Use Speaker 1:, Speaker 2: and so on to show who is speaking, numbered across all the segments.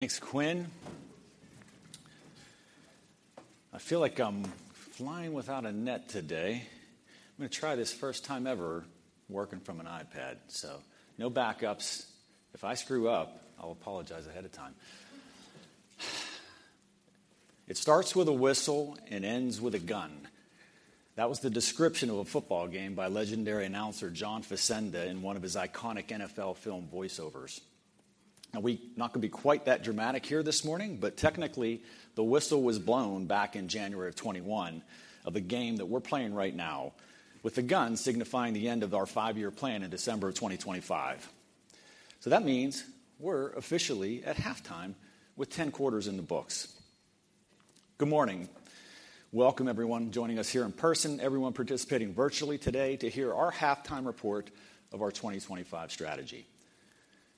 Speaker 1: Thanks, Quinn. I feel like I'm flying without a net today. I'm gonna try this first time ever, working from an iPad, so no backups. If I screw up, I'll apologize ahead of time. "It starts with a whistle and ends with a gun." That was the description of a football game by legendary announcer John Facenda in one of his iconic NFL Films voiceovers. Now, we're not gonna be quite that dramatic here this morning, but technically, the whistle was blown back in January of 2021 of the game that we're playing right now, with the gun signifying the end of our five-year plan in December of 2025. So that means we're officially at halftime with 10 quarters in the books. Good morning. Welcome, everyone joining us here in person, everyone participating virtually today to hear our halftime report of our 2025 strategy.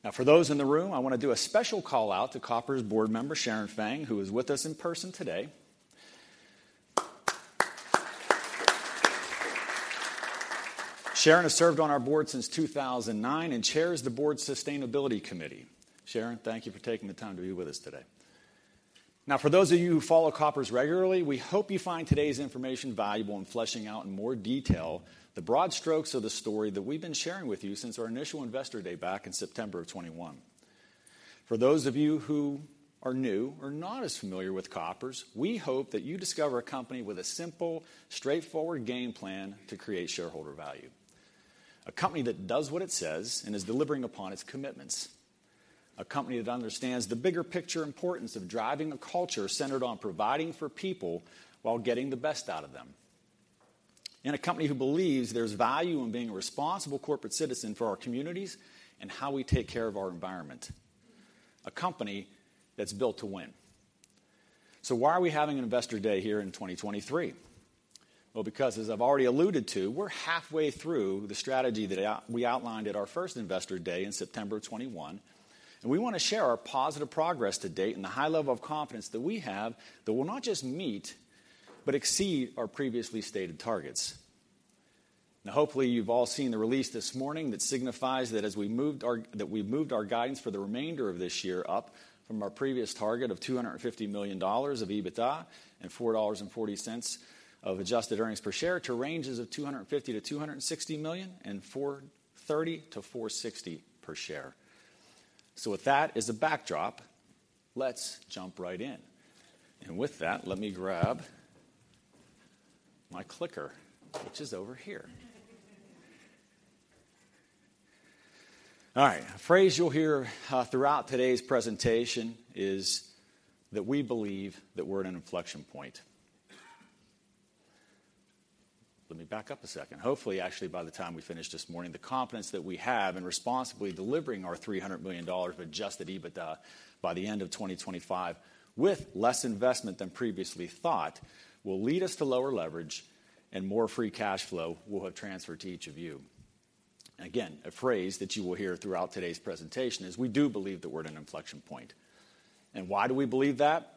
Speaker 1: Now, for those in the room, I wanna do a special call-out to Koppers board member, Sharon Feng, who is with us in person today. Sharon has served on our board since 2009 and chairs the board's Sustainability Committee. Sharon, thank you for taking the time to be with us today. Now, for those of you who follow Koppers regularly, we hope you find today's information valuable in fleshing out in more detail the broad strokes of the story that we've been sharing with you since our initial Investor Day back in September of 2021. For those of you who are new or not as familiar with Koppers, we hope that you discover a company with a simple, straightforward game plan to create shareholder value. A company that does what it says and is delivering upon its commitments. A company that understands the bigger picture importance of driving a culture centered on providing for people while getting the best out of them. A company who believes there's value in being a responsible corporate citizen for our communities and how we take care of our environment. A company that's built to win. So why are we having an Investor Day here in 2023? Well, because as I've already alluded to, we're halfway through the strategy that we outlined at our first Investor Day in September of 2021, and we wanna share our positive progress to date and the high level of confidence that we have that we'll not just meet, but exceed our previously stated targets. Now, hopefully, you've all seen the release this morning that signifies that we've moved our guidance for the remainder of this year up from our previous target of $250 million of EBITDA and $4.40 of adjusted earnings per share to ranges of $250-$260 million, and $4.30-$4.60 per share. So with that as a backdrop, let's jump right in. And with that, let me grab my clicker, which is over here. All right. A phrase you'll hear throughout today's presentation is that we believe that we're at an inflection point. Let me back up a second. Hopefully, actually, by the time we finish this morning, the confidence that we have in responsibly delivering our $300 million of Adjusted EBITDA by the end of 2025, with less investment than previously thought, will lead us to lower leverage and more free cash flow we'll have transferred to each of you. Again, a phrase that you will hear throughout today's presentation is we do believe that we're at an inflection point. And why do we believe that?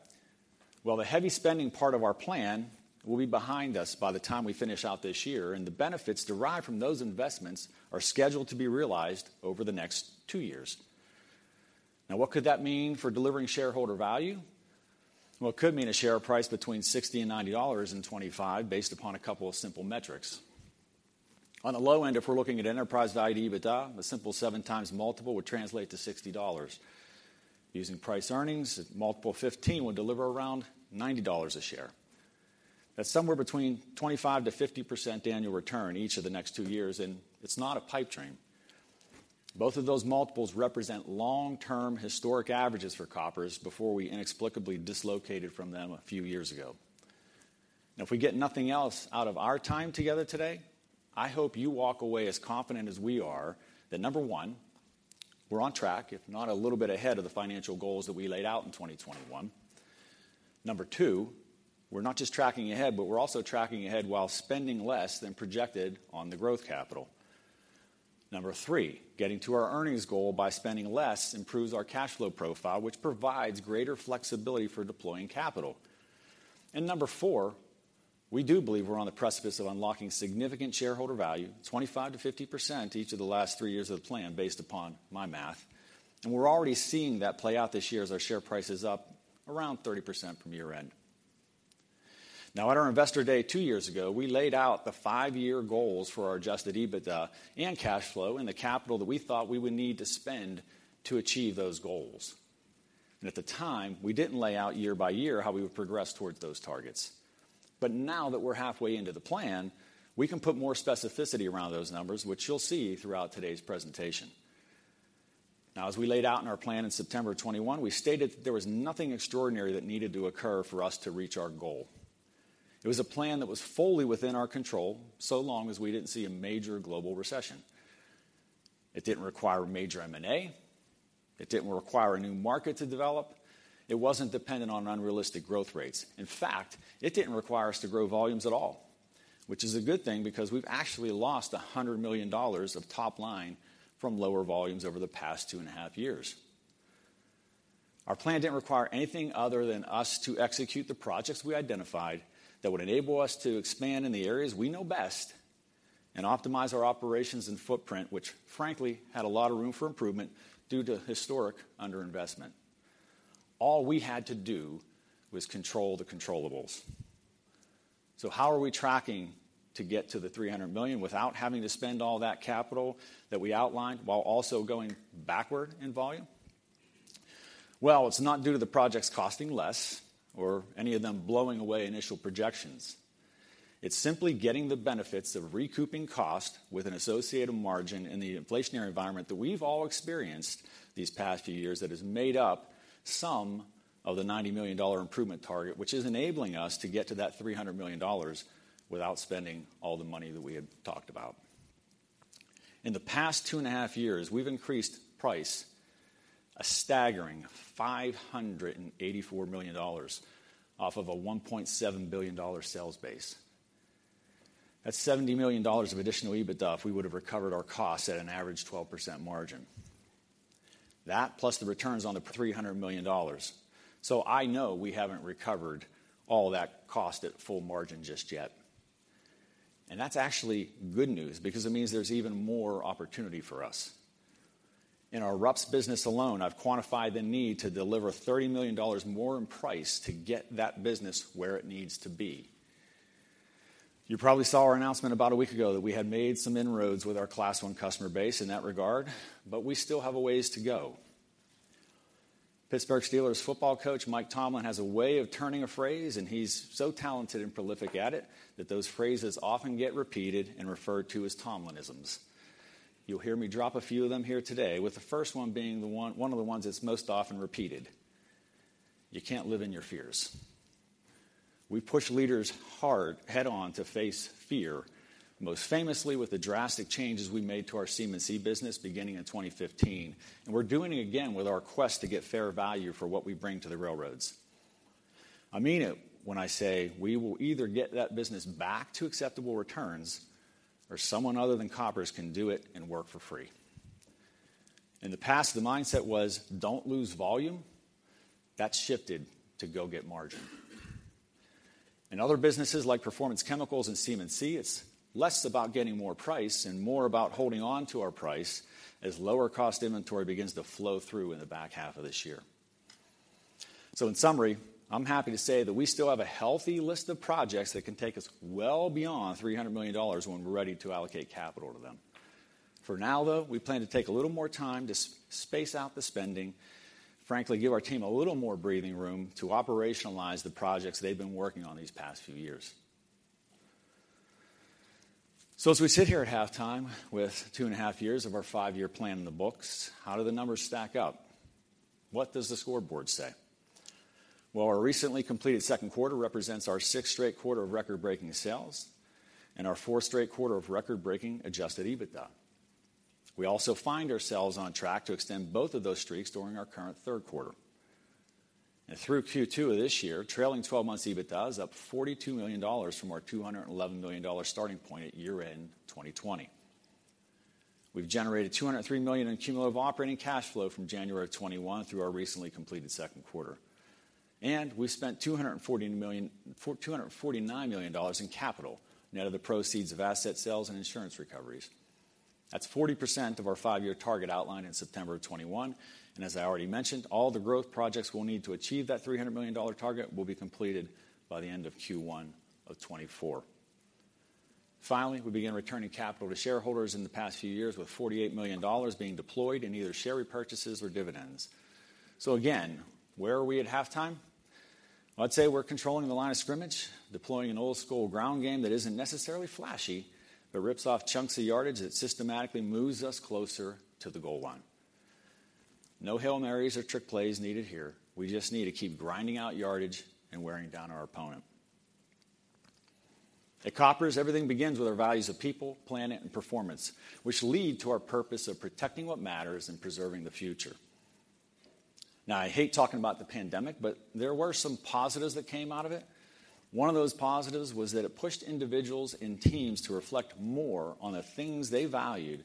Speaker 1: Well, the heavy spending part of our plan will be behind us by the time we finish out this year, and the benefits derived from those investments are scheduled to be realized over the next two years. Now, what could that mean for delivering shareholder value? Well, it could mean a share price between $60 and $90 in 2025, based upon a couple of simple metrics. On the low end, if we're looking at enterprise to EBITDA, a simple 7x multiple would translate to $60. Using price earnings, a 15x multiple would deliver around $90 a share. That's somewhere between 25%-50% annual return each of the next two years, and it's not a pipe dream. Both of those multiples represent long-term historic averages for Koppers before we inexplicably dislocated from them a few years ago. Now, if we get nothing else out of our time together today, I hope you walk away as confident as we are that, number one, we're on track, if not a little bit ahead of the financial goals that we laid out in 2021. Number two, we're not just tracking ahead, but we're also tracking ahead while spending less than projected on the growth capital. Number three, getting to our earnings goal by spending less improves our cash flow profile, which provides greater flexibility for deploying capital. Number four, we do believe we're on the precipice of unlocking significant shareholder value, 25%-50% each of the last three years of the plan, based upon my math, and we're already seeing that play out this year as our share price is up around 30% from year-end. Now, at our Investor Day two years ago, we laid out the five-year goals for our Adjusted EBITDA and cash flow, and the capital that we thought we would need to spend to achieve those goals. At the time, we didn't lay out year-by-year how we would progress towards those targets. Now that we're halfway into the plan, we can put more specificity around those numbers, which you'll see throughout today's presentation. Now, as we laid out in our plan in September 2021, we stated that there was nothing extraordinary that needed to occur for us to reach our goal. It was a plan that was fully within our control, so long as we didn't see a major global recession. It didn't require a major M&A. It didn't require a new market to develop. It wasn't dependent on unrealistic growth rates. In fact, it didn't require us to grow volumes at all, which is a good thing because we've actually lost $100 million of top line from lower volumes over the past 2.5 years. Our plan didn't require anything other than us to execute the projects we identified that would enable us to expand in the areas we know best.... And optimize our operations and footprint, which frankly, had a lot of room for improvement due to historic underinvestment. All we had to do was control the controllables. So how are we tracking to get to the $300 million without having to spend all that capital that we outlined, while also going backward in volume? Well, it's not due to the projects costing less or any of them blowing away initial projections. It's simply getting the benefits of recouping cost with an associated margin in the inflationary environment that we've all experienced these past few years, that has made up some of the $90 million improvement target, which is enabling us to get to that $300 million without spending all the money that we had talked about. In the past 2.5 years, we've increased price a staggering $584 million off of a $1.7 billion sales base. That's $70 million of additional EBITDA if we would have recovered our costs at an average 12% margin. That plus the returns on the $300 million. So I know we haven't recovered all that cost at full margin just yet, and that's actually good news because it means there's even more opportunity for us. In our RUPS business alone, I've quantified the need to deliver $30 million more in price to get that business where it needs to be. You probably saw our announcement about a week ago that we had made some inroads with our Class I customer base in that regard, but we still have a ways to go. Pittsburgh Steelers football coach Mike Tomlin has a way of turning a phrase, and he's so talented and prolific at it, that those phrases often get repeated and referred to as Tomlinisms. You'll hear me drop a few of them here today, with the first one being one of the ones that's most often repeated: "You can't live in your fears." We push leaders hard, head on, to face fear, most famously with the drastic changes we made to our CMC business beginning in 2015. We're doing it again with our quest to get fair value for what we bring to the railroads. I mean it when I say we will either get that business back to acceptable returns, or someone other than Koppers can do it and work for free. In the past, the mindset was, "Don't lose volume." That's shifted to, "Go get margin." In other businesses, like Performance Chemicals and CMC, it's less about getting more price and more about holding on to our price as lower cost inventory begins to flow through in the back half of this year. So in summary, I'm happy to say that we still have a healthy list of projects that can take us well beyond $300 million when we're ready to allocate capital to them. For now, though, we plan to take a little more time to space out the spending, frankly, give our team a little more breathing room to operationalize the projects they've been working on these past few years. So as we sit here at halftime with two and a half years of our five-year plan in the books, how do the numbers stack up? What does the scoreboard say? Well, our recently completed second quarter represents our sixth straight quarter of record-breaking sales and our fourth straight quarter of record-breaking adjusted EBITDA. We also find ourselves on track to extend both of those streaks during our current third quarter. And through Q2 of this year, trailing twelve months EBITDA is up $42 million from our $211 million starting point at year-end 2020. We've generated $203 million in cumulative operating cash flow from January of 2021 through our recently completed second quarter. And we've spent $240 million... $249 million in capital net of the proceeds of asset sales and insurance recoveries. That's 40% of our five-year target outlined in September 2021. And as I already mentioned, all the growth projects we'll need to achieve that $300 million target will be completed by the end of Q1 2024. Finally, we began returning capital to shareholders in the past few years, with $48 million being deployed in either share repurchases or dividends. So again, where are we at halftime? I'd say we're controlling the line of scrimmage, deploying an old-school ground game that isn't necessarily flashy, but rips off chunks of yardage that systematically moves us closer to the goal line. No Hail Marys or trick plays needed here. We just need to keep grinding out yardage and wearing down our opponent. At Koppers, everything begins with our values of people, planet, and performance, which lead to our purpose of protecting what matters and preserving the future. Now, I hate talking about the pandemic, but there were some positives that came out of it. One of those positives was that it pushed individuals and teams to reflect more on the things they valued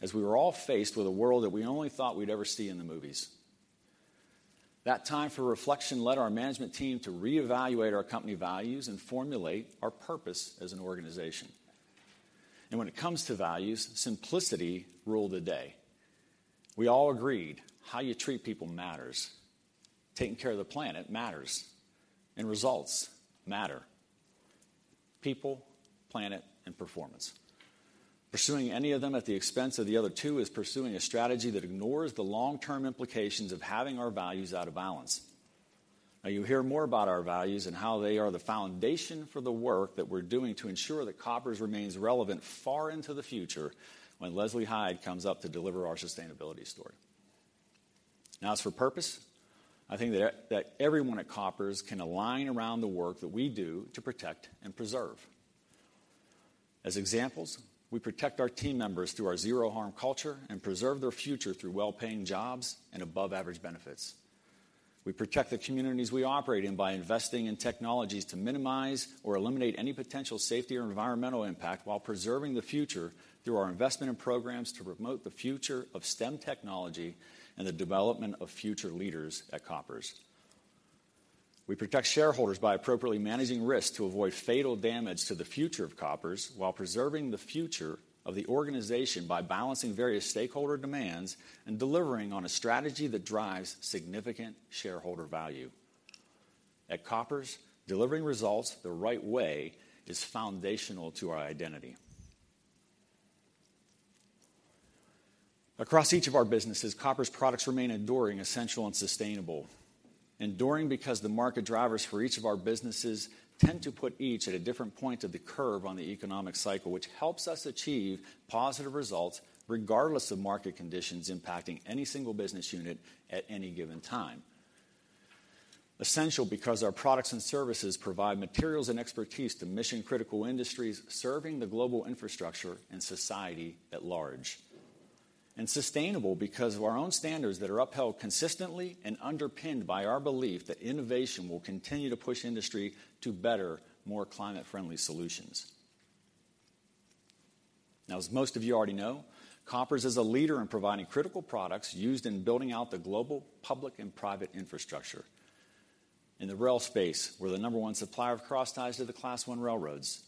Speaker 1: as we were all faced with a world that we only thought we'd ever see in the movies. That time for reflection led our management team to reevaluate our company values and formulate our purpose as an organization. When it comes to values, simplicity ruled the day. We all agreed how you treat people matters, taking care of the planet matters, and results matter. People, planet, and performance. Pursuing any of them at the expense of the other two is pursuing a strategy that ignores the long-term implications of having our values out of balance. Now, you'll hear more about our values and how they are the foundation for the work that we're doing to ensure that Koppers remains relevant far into the future when Leslie Hyde comes up to deliver our sustainability story. Now, as for purpose, I think that everyone at Koppers can align around the work that we do to protect and preserve. As examples, we protect our team members through our Zero Harm culture and preserve their future through well-paying jobs and above average benefits. We protect the communities we operate in by investing in technologies to minimize or eliminate any potential safety or environmental impact while preserving the future through our investment in programs to promote the future of STEM technology and the development of future leaders at Koppers... We protect shareholders by appropriately managing risks to avoid fatal damage to the future of Koppers, while preserving the future of the organization by balancing various stakeholder demands and delivering on a strategy that drives significant shareholder value. At Koppers, delivering results the right way is foundational to our identity. Across each of our businesses, Koppers products remain enduring, essential, and sustainable. Enduring, because the market drivers for each of our businesses tend to put each at a different point of the curve on the economic cycle, which helps us achieve positive results regardless of market conditions impacting any single business unit at any given time. Essential, because our products and services provide materials and expertise to mission-critical industries, serving the global infrastructure and society at large. And sustainable, because of our own standards that are upheld consistently and underpinned by our belief that innovation will continue to push industry to better, more climate-friendly solutions. Now, as most of you already know, Koppers is a leader in providing critical products used in building out the global public and private infrastructure. In the rail space, we're the number one supplier of crossties to the Class I railroads.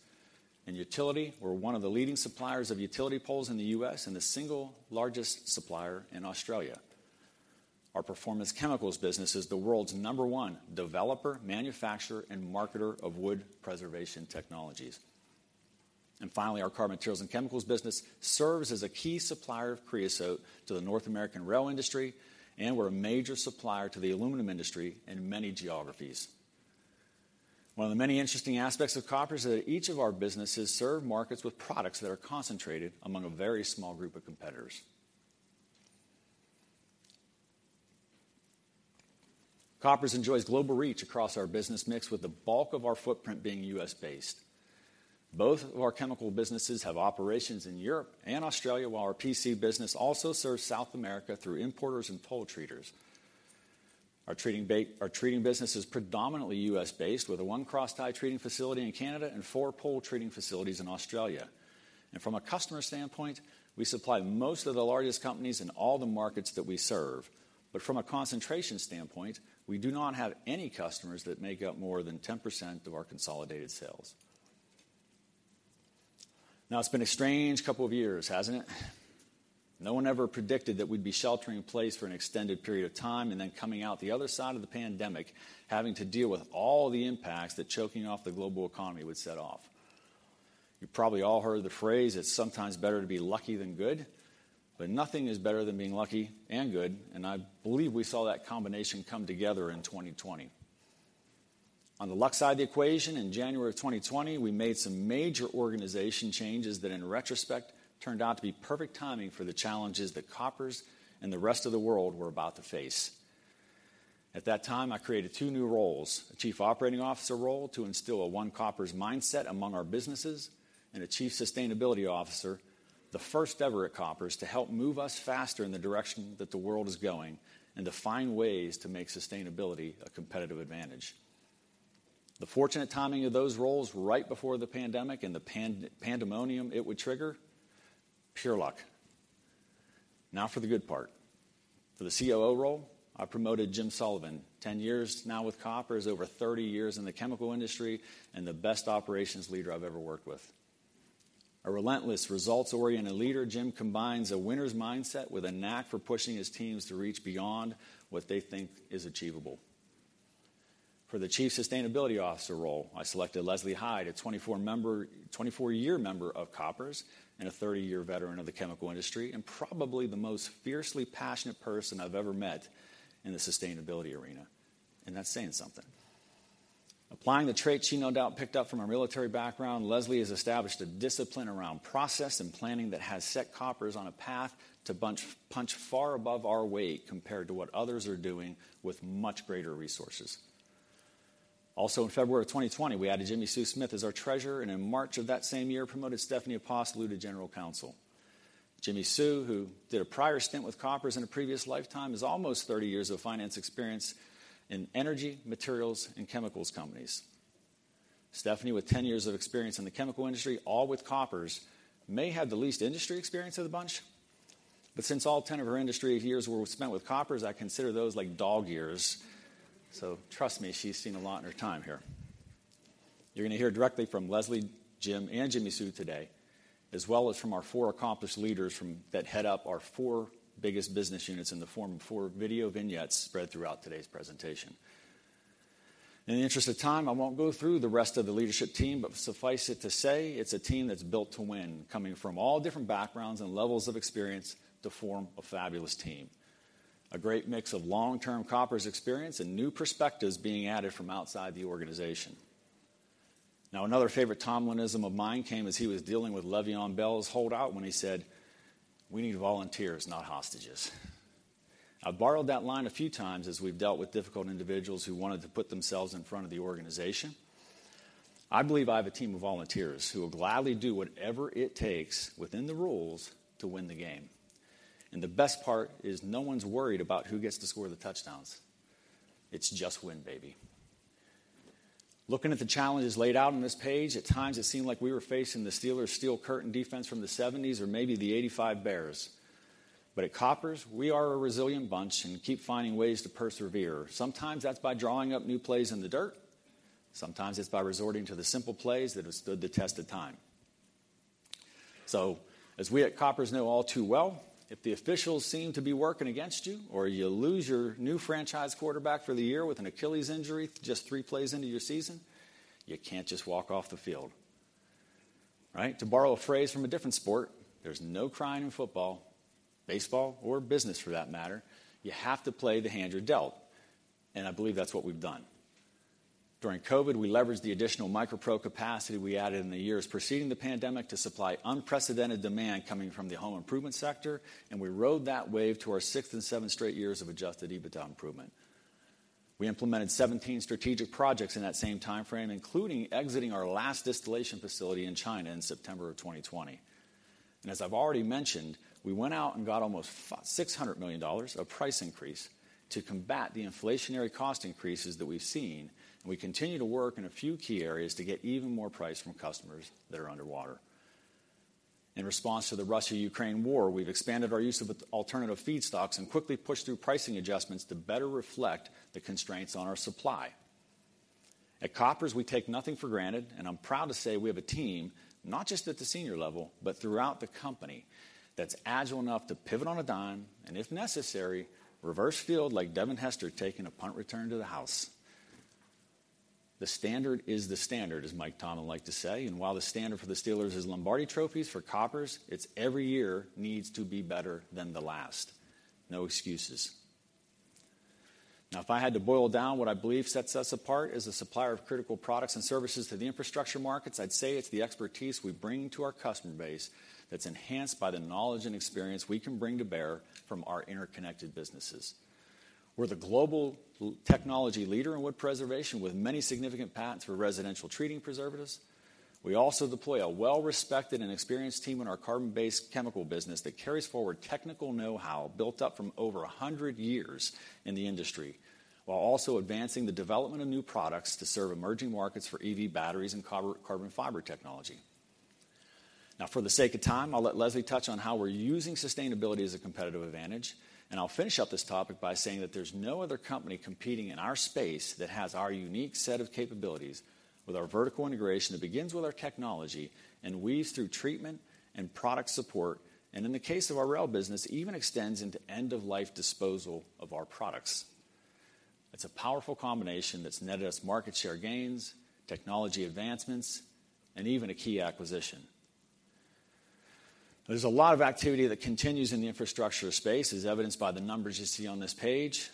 Speaker 1: In utility, we're one of the leading suppliers of utility poles in the U.S. and the single largest supplier in Australia. Our Performance Chemicals business is the world's number one developer, manufacturer, and marketer of wood preservation technologies. Finally, our Carbon Materials and Chemicals business serves as a key supplier of creosote to the North American rail industry, and we're a major supplier to the aluminum industry in many geographies. One of the many interesting aspects of Koppers is that each of our businesses serve markets with products that are concentrated among a very small group of competitors. Koppers enjoys global reach across our business mix, with the bulk of our footprint being U.S.-based. Both of our chemical businesses have operations in Europe and Australia, while our PC business also serves South America through importers and pole treaters. Our treating business is predominantly U.S.-based, with one crosstie treating facility in Canada and four pole treating facilities in Australia. From a customer standpoint, we supply most of the largest companies in all the markets that we serve. From a concentration standpoint, we do not have any customers that make up more than 10% of our consolidated sales. Now, it's been a strange couple of years, hasn't it? No one ever predicted that we'd be sheltering in place for an extended period of time and then coming out the other side of the pandemic, having to deal with all the impacts that choking off the global economy would set off. You probably all heard the phrase, "It's sometimes better to be lucky than good," but nothing is better than being lucky and good, and I believe we saw that combination come together in 2020. On the luck side of the equation, in January of 2020, we made some major organization changes that, in retrospect, turned out to be perfect timing for the challenges that Koppers and the rest of the world were about to face. At that time, I created two new roles: a Chief Operating Officer role to instill a One Koppers mindset among our businesses, and a Chief Sustainability Officer, the first-ever at Koppers, to help move us faster in the direction that the world is going and to find ways to make sustainability a competitive advantage. The fortunate timing of those roles right before the pandemic and the pandemonium it would trigger, pure luck. Now, for the good part. For the COO role, I promoted Jim Sullivan, 10 years now with Koppers, over 30 years in the chemical industry, and the best operations leader I've ever worked with. A relentless, results-oriented leader, Jim combines a winner's mindset with a knack for pushing his teams to reach beyond what they think is achievable. For the Chief Sustainability Officer role, I selected Leslie Hyde, a 24-year member of Koppers and a 30-year veteran of the chemical industry, and probably the most fiercely passionate person I've ever met in the sustainability arena, and that's saying something. Applying the traits she no doubt picked up from her military background, Leslie has established a discipline around process and planning that has set Koppers on a path to punch far above our weight compared to what others are doing with much greater resources. Also, in February of 2020, we added Jimmi Sue Smith as our Treasurer, and in March of that same year, promoted Stephanie Apostolou to General Counsel. Jimmi Sue, who did a prior stint with Koppers in a previous lifetime, has almost 30 years of finance experience in energy, materials, and chemicals companies. Stephanie, with 10 years of experience in the chemical industry, all with Koppers, may have the least industry experience of the bunch, but since all 10 of her industry years were spent with Koppers, I consider those like dog years. So trust me, she's seen a lot in her time here. You're gonna hear directly from Leslie, Jim, and Jimmi Sue today, as well as from our four accomplished leaders from that head up our four biggest business units in the form of four video vignettes spread throughout today's presentation. In the interest of time, I won't go through the rest of the leadership team, but suffice it to say, it's a team that's built to win, coming from all different backgrounds and levels of experience to form a fabulous team. A great mix of long-term Koppers experience and new perspectives being added from outside the organization. Now, another favorite Tomlinism of mine came as he was dealing with Le'Veon Bell's holdout when he said, "We need volunteers, not hostages." I've borrowed that line a few times as we've dealt with difficult individuals who wanted to put themselves in front of the organization. I believe I have a team of volunteers who will gladly do whatever it takes, within the rules, to win the game, and the best part is no one's worried about who gets to score the touchdowns. It's just win, baby!... Looking at the challenges laid out on this page, at times it seemed like we were facing the Steelers' Steel Curtain defense from the '70s or maybe the '85 Bears. But at Koppers, we are a resilient bunch and keep finding ways to persevere. Sometimes that's by drawing up new plays in the dirt, sometimes it's by resorting to the simple plays that have stood the test of time. So as we at Koppers know all too well, if the officials seem to be working against you or you lose your new franchise quarterback for the year with an Achilles injury just three plays into your season, you can't just walk off the field, right? To borrow a phrase from a different sport, there's no crying in football, baseball, or business, for that matter. You have to play the hand you're dealt, and I believe that's what we've done. During COVID, we leveraged the additional MicroPro capacity we added in the years preceding the pandemic to supply unprecedented demand coming from the home improvement sector, and we rode that wave to our sixth and seventh straight years of Adjusted EBITDA improvement. We implemented 17 strategic projects in that same timeframe, including exiting our last distillation facility in China in September of 2020. As I've already mentioned, we went out and got almost $600 million of price increase to combat the inflationary cost increases that we've seen, and we continue to work in a few key areas to get even more price from customers that are underwater. In response to the Russia-Ukraine war, we've expanded our use of alternative feedstocks and quickly pushed through pricing adjustments to better reflect the constraints on our supply. At Koppers, we take nothing for granted, and I'm proud to say we have a team, not just at the senior level, but throughout the company, that's agile enough to pivot on a dime, and if necessary, reverse field like Devin Hester taking a punt return to the house. "The standard is the standard," as Mike Tomlin like to say, and while the standard for the Steelers is Lombardi trophies, for Koppers, it's every year needs to be better than the last. No excuses. Now, if I had to boil down what I believe sets us apart as a supplier of critical products and services to the infrastructure markets, I'd say it's the expertise we bring to our customer base that's enhanced by the knowledge and experience we can bring to bear from our interconnected businesses. We're the global technology leader in wood preservation, with many significant patents for residential treating preservatives. We also deploy a well-respected and experienced team in our carbon-based chemical business that carries forward technical know-how, built up from over a hundred years in the industry, while also advancing the development of new products to serve emerging markets for EV batteries and carbon, carbon fiber technology. Now, for the sake of time, I'll let Leslie touch on how we're using sustainability as a competitive advantage, and I'll finish up this topic by saying that there's no other company competing in our space that has our unique set of capabilities with our vertical integration that begins with our technology and weaves through treatment and product support, and in the case of our rail business, even extends into end-of-life disposal of our products. It's a powerful combination that's netted us market share gains, technology advancements, and even a key acquisition. There's a lot of activity that continues in the infrastructure space, as evidenced by the numbers you see on this page.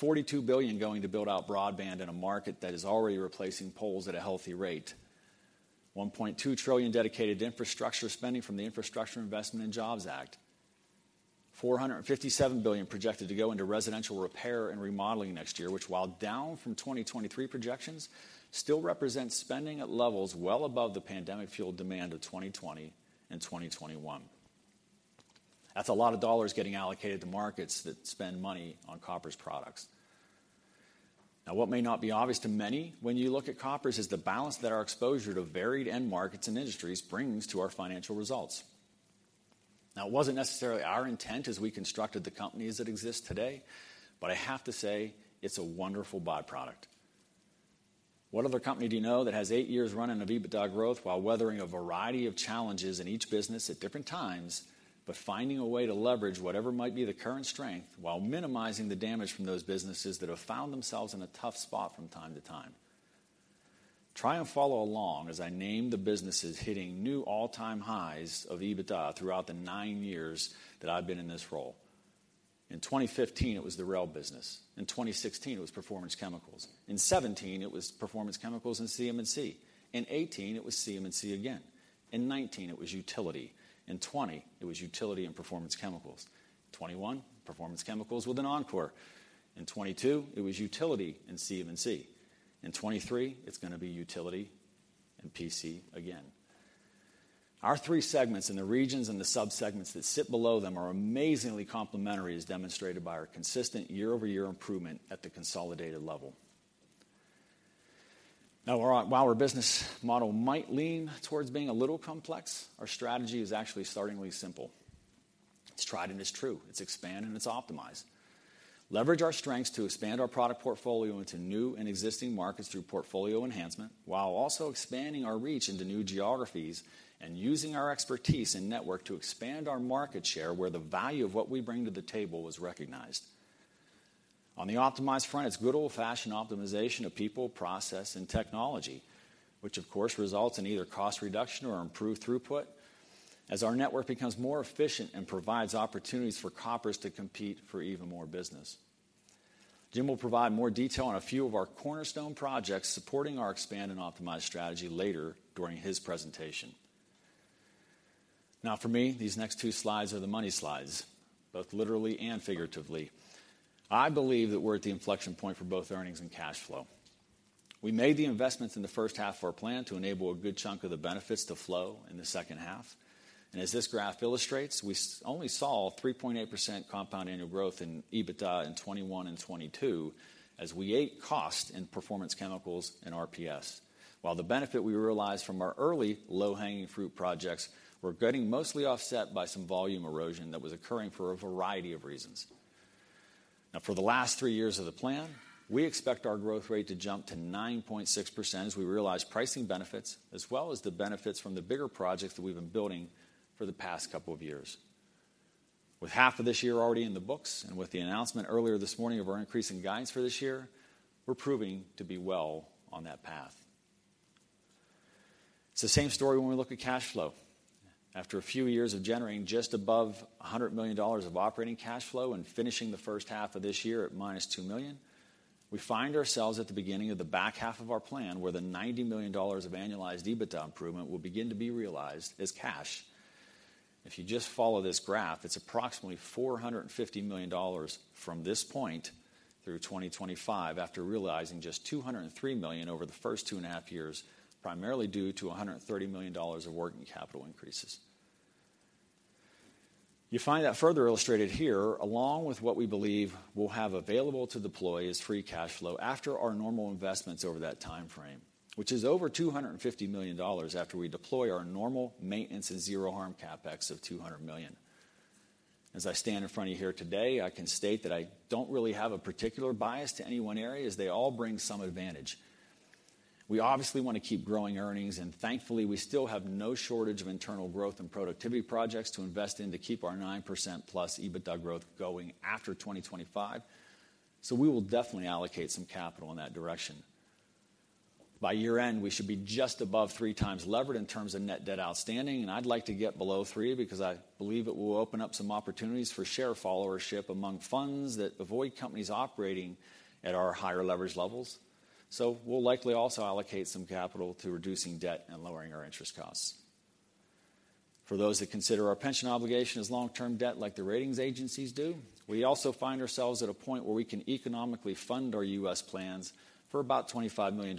Speaker 1: $42 billion going to build out broadband in a market that is already replacing poles at a healthy rate. $1.2 trillion dedicated to infrastructure spending from the Infrastructure Investment and Jobs Act. $457 billion projected to go into residential repair and remodeling next year, which, while down from 2023 projections, still represents spending at levels well above the pandemic-fueled demand of 2020 and 2021. That's a lot of dollars getting allocated to markets that spend money on Koppers products. Now, what may not be obvious to many when you look at Koppers is the balance that our exposure to varied end markets and industries brings to our financial results. Now, it wasn't necessarily our intent as we constructed the company as it exists today, but I have to say it's a wonderful by-product. What other company do you know that has eight years running of EBITDA growth while weathering a variety of challenges in each business at different times, but finding a way to leverage whatever might be the current strength while minimizing the damage from those businesses that have found themselves in a tough spot from time to time? Try and follow along as I name the businesses hitting new all-time highs of EBITDA throughout the nine years that I've been in this role. In 2015, it was the rail business. In 2016, it was Performance Chemicals. In 2017, it was Performance Chemicals and CMC. In 2018, it was CMC again. In 2019, it was Utility. In 2020, it was Utility and Performance Chemicals. 2021, Performance Chemicals with an encore. In 2022, it was Utility and CMC. In 2023, it's gonna be Utility and PC again. Our three segments and the regions and the subsegments that sit below them are amazingly complementary, as demonstrated by our consistent year-over-year improvement at the consolidated level. Now, our, while our business model might lean towards being a little complex, our strategy is actually startlingly simple. It's tried and it's true. It's expand and it's optimize. Leverage our strengths to expand our product portfolio into new and existing markets through portfolio enhancement, while also expanding our reach into new geographies and using our expertise and network to expand our market share, where the value of what we bring to the table is recognized. On the optimized front, it's good old-fashioned optimization of people, process, and technology, which of course, results in either cost reduction or improved throughput as our network becomes more efficient and provides opportunities for Koppers to compete for even more business. Jim will provide more detail on a few of our cornerstone projects supporting our expand and optimize strategy later during his presentation. Now, for me, these next two slides are the money slides, both literally and figuratively. I believe that we're at the inflection point for both earnings and cash flow.... We made the investments in the first half of our plan to enable a good chunk of the benefits to flow in the second half. And as this graph illustrates, we only saw 3.8% compound annual growth in EBITDA in 2021 and 2022, as we ate cost in Performance Chemicals and RPS. While the benefit we realized from our early low-hanging fruit projects were getting mostly offset by some volume erosion that was occurring for a variety of reasons. Now, for the last three years of the plan, we expect our growth rate to jump to 9.6% as we realize pricing benefits, as well as the benefits from the bigger projects that we've been building for the past couple of years. With half of this year already in the books, and with the announcement earlier this morning of our increasing guidance for this year, we're proving to be well on that path. It's the same story when we look at cash flow. After a few years of generating just above $100 million of operating cash flow and finishing the first half of this year at -$2 million, we find ourselves at the beginning of the back half of our plan, where the $90 million of annualized EBITDA improvement will begin to be realized as cash. If you just follow this graph, it's approximately $450 million from this point through 2025, after realizing just $203 million over the first 2.5 years, primarily due to $130 million of working capital increases. You find that further illustrated here, along with what we believe we'll have available to deploy as free cash flow after our normal investments over that timeframe, which is over $250 million after we deploy our normal maintenance and zero harm CapEx of $200 million. As I stand in front of you here today, I can state that I don't really have a particular bias to any one area, as they all bring some advantage. We obviously want to keep growing earnings, and thankfully, we still have no shortage of internal growth and productivity projects to invest in to keep our 9%+ EBITDA growth going after 2025. So we will definitely allocate some capital in that direction. By year-end, we should be just above 3x levered in terms of net debt outstanding, and I'd like to get below 3 because I believe it will open up some opportunities for share followership among funds that avoid companies operating at our higher leverage levels. So we'll likely also allocate some capital to reducing debt and lowering our interest costs. For those that consider our pension obligation as long-term debt like the ratings agencies do, we also find ourselves at a point where we can economically fund our U.S. plans for about $25 million and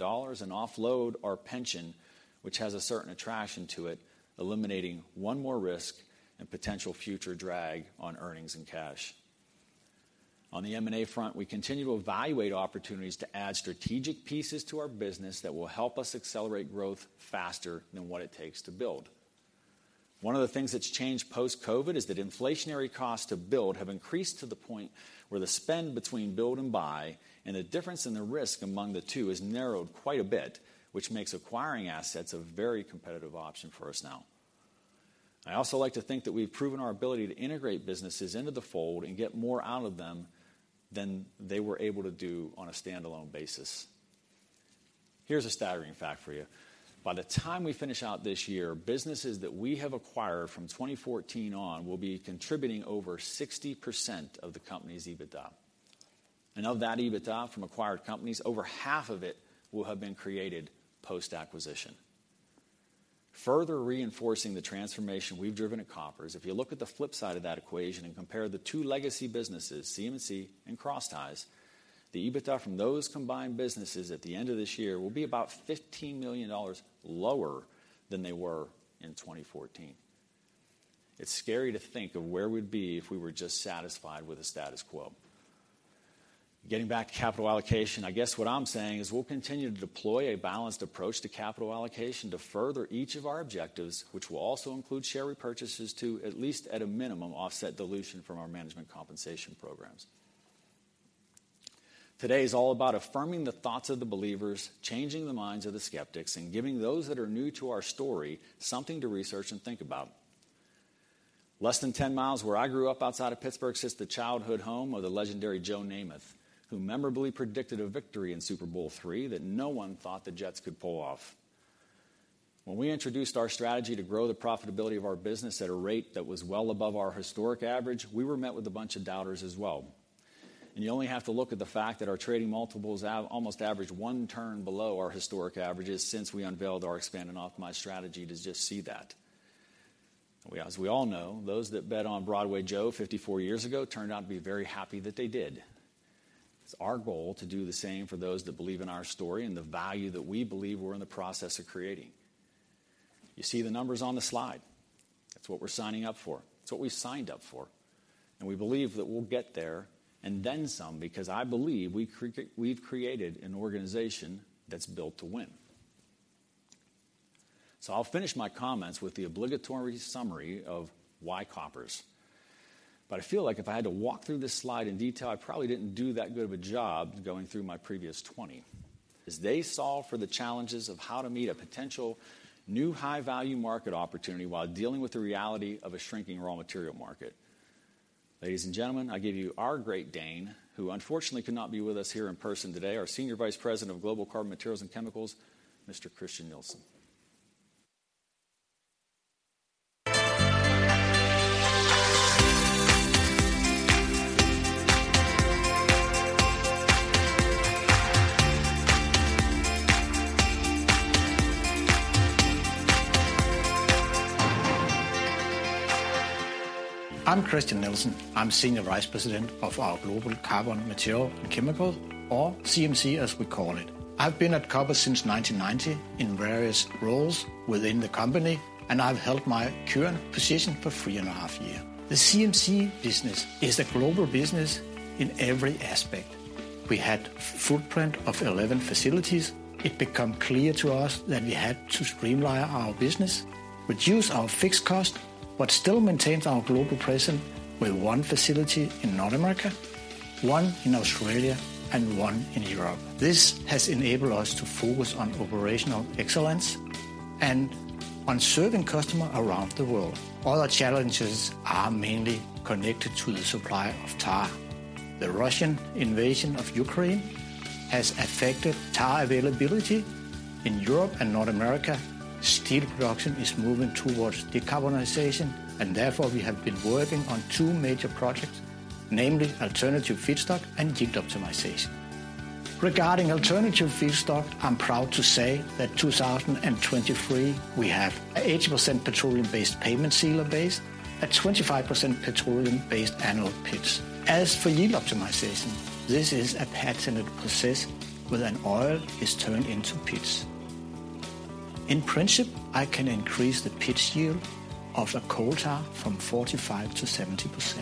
Speaker 1: offload our pension, which has a certain attraction to it, eliminating one more risk and potential future drag on earnings and cash. On the M&A front, we continue to evaluate opportunities to add strategic pieces to our business that will help us accelerate growth faster than what it takes to build. One of the things that's changed post-COVID is that inflationary costs to build have increased to the point where the spend between build and buy, and the difference in the risk among the two has narrowed quite a bit, which makes acquiring assets a very competitive option for us now. I also like to think that we've proven our ability to integrate businesses into the fold and get more out of them than they were able to do on a standalone basis. Here's a staggering fact for you: By the time we finish out this year, businesses that we have acquired from 2014 on will be contributing over 60% of the company's EBITDA. Of that EBITDA from acquired companies, over half of it will have been created post-acquisition. Further reinforcing the transformation we've driven at Koppers, if you look at the flip side of that equation and compare the two legacy businesses, CMC and crossties, the EBITDA from those combined businesses at the end of this year will be about $15 million lower than they were in 2014. It's scary to think of where we'd be if we were just satisfied with the status quo. Getting back to capital allocation, I guess what I'm saying is we'll continue to deploy a balanced approach to capital allocation to further each of our objectives, which will also include share repurchases to, at least at a minimum, offset dilution from our management compensation programs. Today is all about affirming the thoughts of the believers, changing the minds of the skeptics, and giving those that are new to our story something to research and think about. Less than 10 miles where I grew up outside of Pittsburgh sits the childhood home of the legendary Joe Namath, who memorably predicted a victory in Super Bowl III that no one thought the Jets could pull off. When we introduced our strategy to grow the profitability of our business at a rate that was well above our historic average, we were met with a bunch of doubters as well. You only have to look at the fact that our trading multiples almost average 1 turn below our historic averages since we unveiled our Expand and Optimize strategy to just see that. As we all know, those that bet on Broadway Joe 54 years ago turned out to be very happy that they did. It's our goal to do the same for those that believe in our story and the value that we believe we're in the process of creating. You see the numbers on the slide. That's what we're signing up for. It's what we signed up for, and we believe that we'll get there and then some, because I believe we've created an organization that's built to win. So I'll finish my comments with the obligatory summary of why Koppers. But I feel like if I had to walk through this slide in detail, I probably didn't do that good of a job going through my previous 20, as they solve for the challenges of how to meet a potential new high-value market opportunity while dealing with the reality of a shrinking raw material market. Ladies and gentlemen, I give you our Great Dane, who unfortunately could not be with us here in person today, our Senior Vice President of Global Carbon Materials and Chemicals, Mr. Christian Nielsen.
Speaker 2: I'm Christian Nielsen. I'm Senior Vice President of our Global Carbon Materials and Chemicals, or CMC as we call it. I've been at Koppers since 1990 in various roles within the company, and I've held my current position for three and a half years. The CMC business is a global business in every aspect. We had footprint of 11 facilities. It become clear to us that we had to streamline our business, reduce our fixed cost, but still maintain our global presence with one facility in North America, one in Australia, and one in Europe. This has enabled us to focus on operational excellence and on serving customers around the world. Other challenges are mainly connected to the supply of tar. The Russian invasion of Ukraine has affected tar availability. In Europe and North America, steel production is moving towards decarbonization, and therefore, we have been working on two major projects, namely alternative feedstock and Yield Optimization. Regarding alternative feedstock, I'm proud to say that 2023, we have 80% petroleum-based pavement sealer base, a 25% petroleum-based anode pitch. As for Yield Optimization, this is a patented process where an oil is turned into pitch. In principle, I can increase the pitch yield of a coal tar from 45%-70%.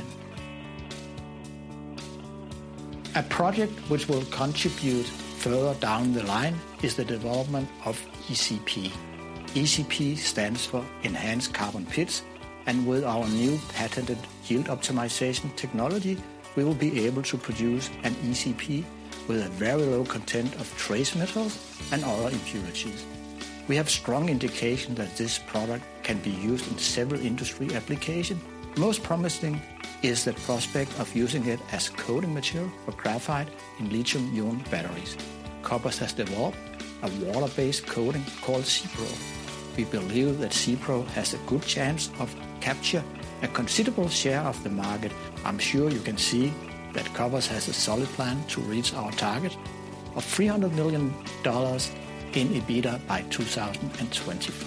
Speaker 2: A project which will contribute further down the line is the development of ECP. ECP stands for Enhanced Carbon Pitch, and with our new patented Yield Optimization technology, we will be able to produce an ECP with a very low content of trace metals and other impurities. We have strong indication that this product can be used in several industry application. Most promising is the prospect of using it as coating material for graphite in lithium-ion batteries. Koppers has developed a water-based coating called C-Pro. We believe that C-Pro has a good chance of capture a considerable share of the market. I'm sure you can see that Koppers has a solid plan to reach our target of $300 million in EBITDA by 2025.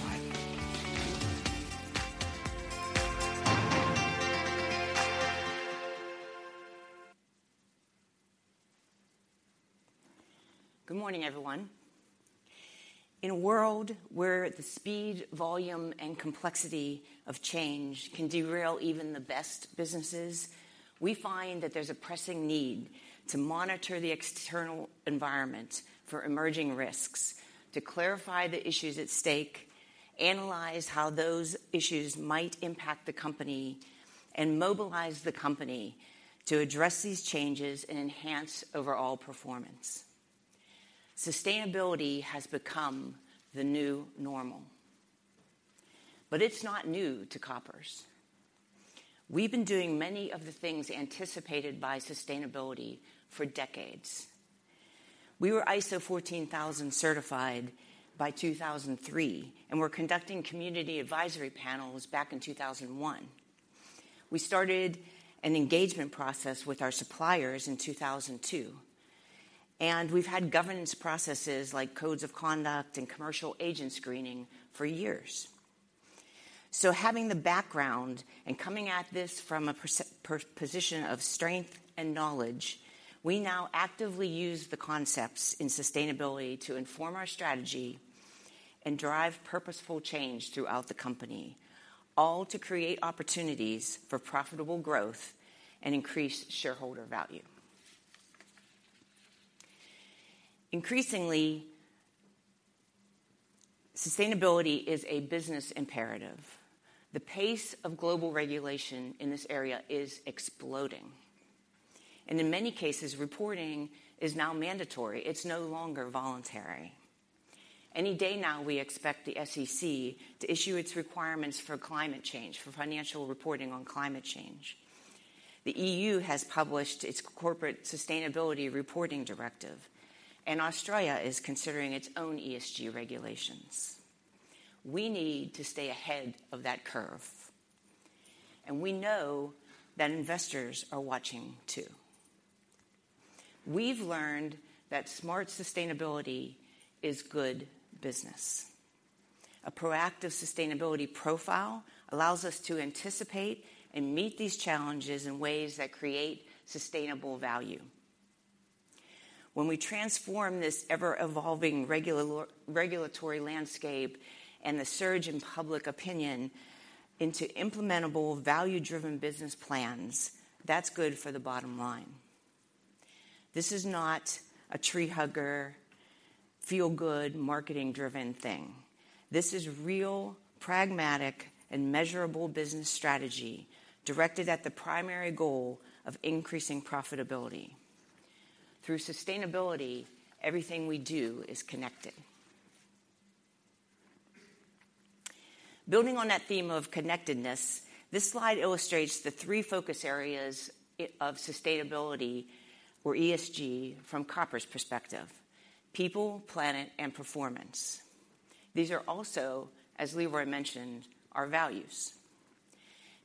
Speaker 3: Good morning, everyone. In a world where the speed, volume, and complexity of change can derail even the best businesses, we find that there's a pressing need to monitor the external environment for emerging risks, to clarify the issues at stake, analyze how those issues might impact the company, and mobilize the company to address these changes and enhance overall performance. Sustainability has become the new normal, but it's not new to Koppers. We've been doing many of the things anticipated by sustainability for decades. We were ISO 14001 certified by 2003, and were conducting community advisory panels back in 2001. We started an engagement process with our suppliers in 2002, and we've had governance processes like codes of conduct and commercial agent screening for years. So having the background and coming at this from a position of strength and knowledge, we now actively use the concepts in sustainability to inform our strategy and drive purposeful change throughout the company, all to create opportunities for profitable growth and increase shareholder value. Increasingly, sustainability is a business imperative. The pace of global regulation in this area is exploding, and in many cases, reporting is now mandatory. It's no longer voluntary. Any day now, we expect the SEC to issue its requirements for climate change, for financial reporting on climate change. The EU has published its Corporate Sustainability Reporting Directive, and Australia is considering its own ESG regulations. We need to stay ahead of that curve, and we know that investors are watching, too. We've learned that smart sustainability is good business. A proactive sustainability profile allows us to anticipate and meet these challenges in ways that create sustainable value. When we transform this ever-evolving regulatory landscape and the surge in public opinion into implementable, value-driven business plans, that's good for the bottom line. This is not a tree-hugger, feel-good, marketing-driven thing. This is real, pragmatic, and measurable business strategy directed at the primary goal of increasing profitability. Through sustainability, everything we do is connected. Building on that theme of connectedness, this slide illustrates the three focus areas of sustainability or ESG from Koppers' perspective: people, planet, and performance. These are also, as Leroy mentioned, our values.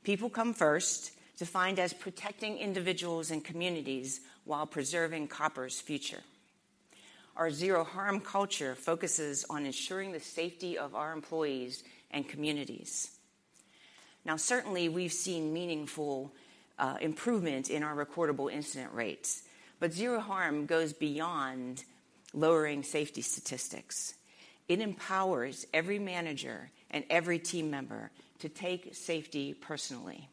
Speaker 3: People come first, defined as protecting individuals and communities while preserving Koppers' future. Our zero harm culture focuses on ensuring the safety of our employees and communities. Now, certainly, we've seen meaningful improvement in our recordable incident rates, but Zero Harm goes beyond lowering safety statistics. It empowers every manager and every team member to take safety personally.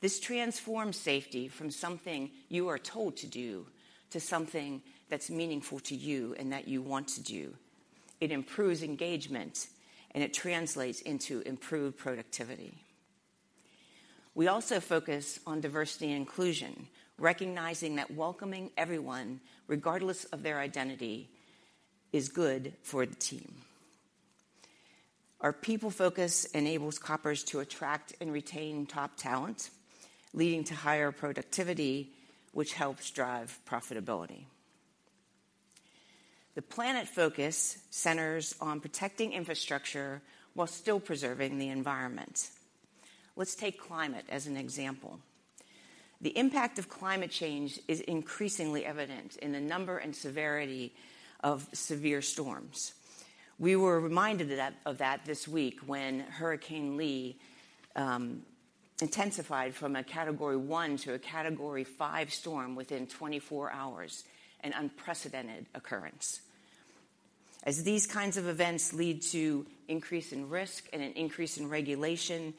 Speaker 3: This transforms safety from something you are told to do, to something that's meaningful to you, and that you want to do. It improves engagement, and it translates into improved productivity. We also focus on diversity and inclusion, recognizing that welcoming everyone, regardless of their identity, is good for the team. Our people focus enables Koppers to attract and retain top talent, leading to higher productivity, which helps drive profitability. The planet focus centers on protecting infrastructure while still preserving the environment. Let's take climate as an example. The impact of climate change is increasingly evident in the number and severity of severe storms. We were reminded of that, of that this week when Hurricane Lee intensified from a Category 1 to a Category 5 storm within 24 hours, an unprecedented occurrence. As these kinds of events lead to increase in risk and an increase in regulation,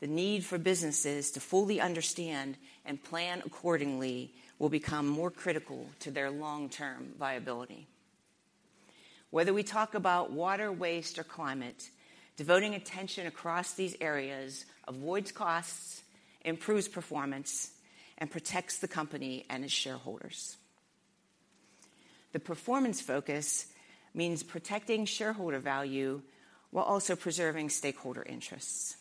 Speaker 3: the need for businesses to fully understand and plan accordingly will become more critical to their long-term viability. Whether we talk about water, waste, or climate, devoting attention across these areas avoids costs, improves performance, and protects the company and its shareholders. The performance focus means protecting shareholder value while also preserving stakeholder interests.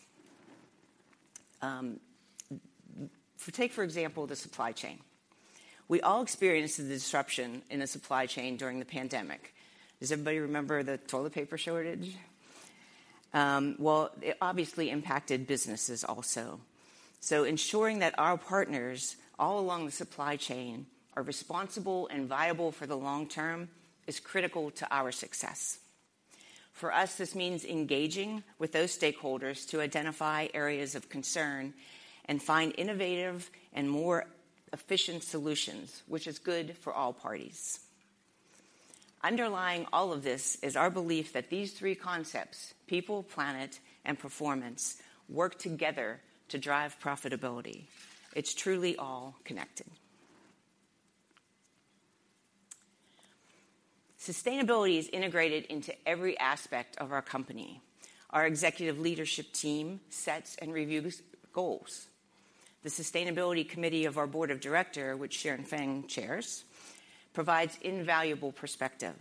Speaker 3: For example, take the supply chain. We all experienced the disruption in the supply chain during the pandemic. Does everybody remember the toilet paper shortage? Well, it obviously impacted businesses also. So ensuring that our partners all along the supply chain are responsible and viable for the long term is critical to our success. For us, this means engaging with those stakeholders to identify areas of concern and find innovative and more efficient solutions, which is good for all parties. Underlying all of this is our belief that these three concepts: people, planet, and performance, work together to drive profitability. It's truly all connected. Sustainability is integrated into every aspect of our company. Our executive leadership team sets and reviews goals. The sustainability committee of our board of directors, which Sharon Feng chairs, provides invaluable perspective.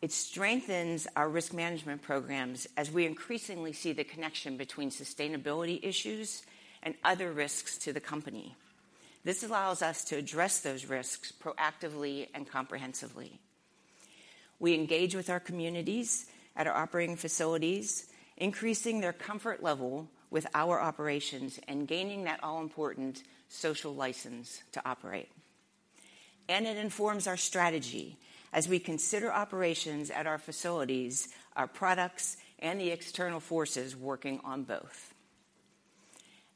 Speaker 3: It strengthens our risk management programs as we increasingly see the connection between sustainability issues and other risks to the company. This allows us to address those risks proactively and comprehensively. We engage with our communities at our operating facilities, increasing their comfort level with our operations and gaining that all-important social license to operate. It informs our strategy as we consider operations at our facilities, our products, and the external forces working on both.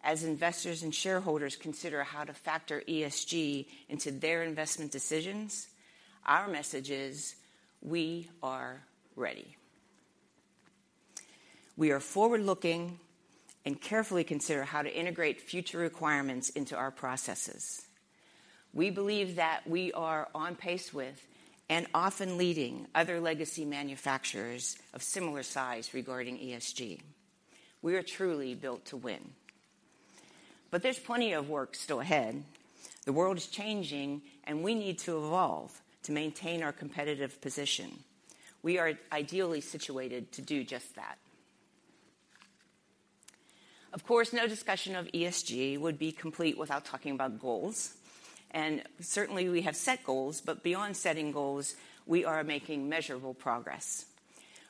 Speaker 3: As investors and shareholders consider how to factor ESG into their investment decisions, our message is: We are ready. We are forward-looking and carefully consider how to integrate future requirements into our processes. We believe that we are on pace with, and often leading, other legacy manufacturers of similar size regarding ESG. We are truly built to win. But there's plenty of work still ahead. The world is changing, and we need to evolve to maintain our competitive position. We are ideally situated to do just that. Of course, no discussion of ESG would be complete without talking about goals, and certainly we have set goals, but beyond setting goals, we are making measurable progress.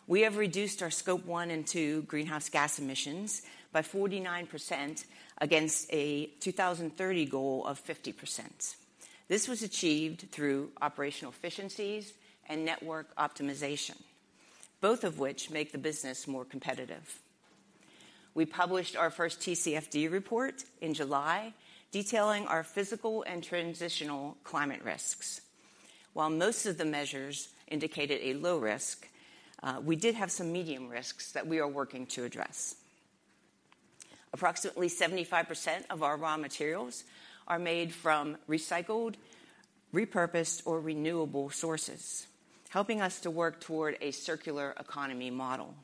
Speaker 3: We have reduced our Scope 1 and 2 greenhouse gas emissions by 49% against a 2030 goal of 50%. This was achieved through operational efficiencies and network optimization, both of which make the business more competitive. We published our first TCFD report in July, detailing our physical and transitional climate risks. While most of the measures indicated a low risk, we did have some medium risks that we are working to address. Approximately 75% of our raw materials are made from recycled, repurposed, or renewable sources, helping us to work toward a circular economy model.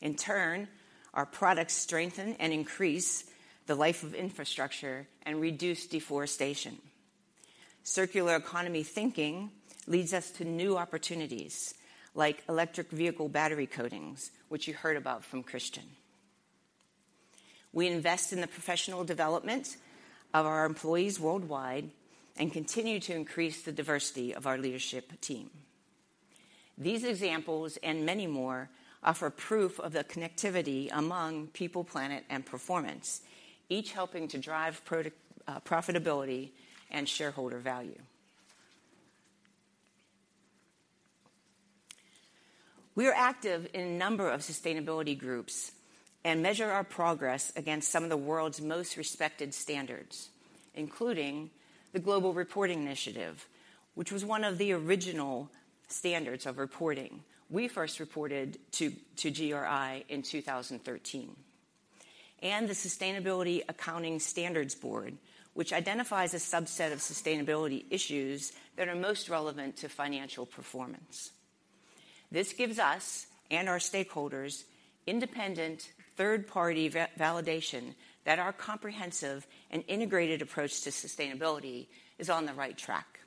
Speaker 3: In turn, our products strengthen and increase the life of infrastructure and reduce deforestation. Circular economy thinking leads us to new opportunities, like electric vehicle battery coatings, which you heard about from Christian. We invest in the professional development of our employees worldwide and continue to increase the diversity of our leadership team. These examples and many more offer proof of the connectivity among people, planet, and performance, each helping to drive product profitability and shareholder value. We are active in a number of sustainability groups and measure our progress against some of the world's most respected standards, including the Global Reporting Initiative, which was one of the original standards of reporting. We first reported to GRI in 2013. The Sustainability Accounting Standards Board, which identifies a subset of sustainability issues that are most relevant to financial performance. This gives us and our stakeholders independent, third-party validation that our comprehensive and integrated approach to sustainability is on the right track.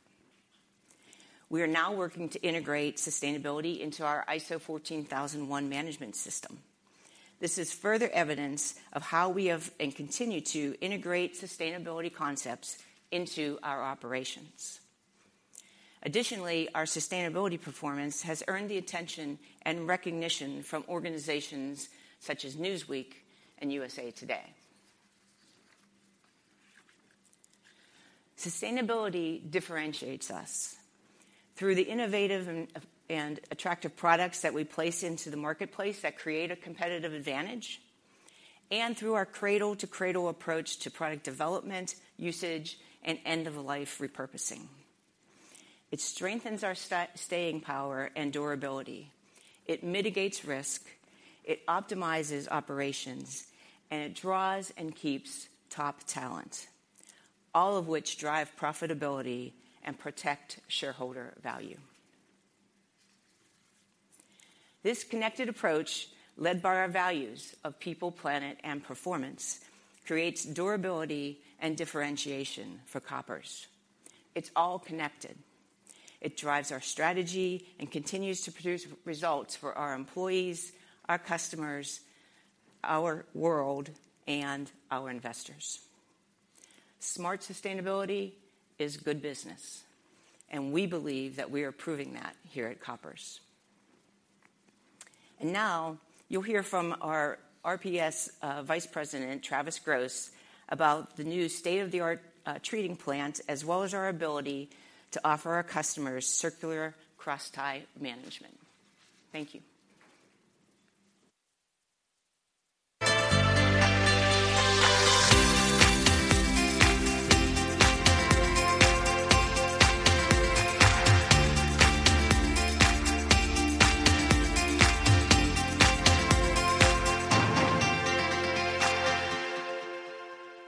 Speaker 3: We are now working to integrate sustainability into our ISO 14001 management system. This is further evidence of how we have, and continue to, integrate sustainability concepts into our operations. Additionally, our sustainability performance has earned the attention and recognition from organizations such as Newsweek and USA Today. Sustainability differentiates us through the innovative and attractive products that we place into the marketplace that create a competitive advantage, and through our cradle-to-cradle approach to product development, usage, and end-of-life repurposing. It strengthens our staying power and durability, it mitigates risk, it optimizes operations, and it draws and keeps top talent, all of which drive profitability and protect shareholder value. This connected approach, led by our values of people, planet, and performance, creates durability and differentiation for Koppers. It's all connected. It drives our strategy and continues to produce results for our employees, our customers, our world, and our investors. Smart sustainability is good business, and we believe that we are proving that here at Koppers. And now you'll hear from our RPS Vice President, Travis Gross, about the new state-of-the-art treating plant, as well as our ability to offer our customers circular crosstie management. Thank you.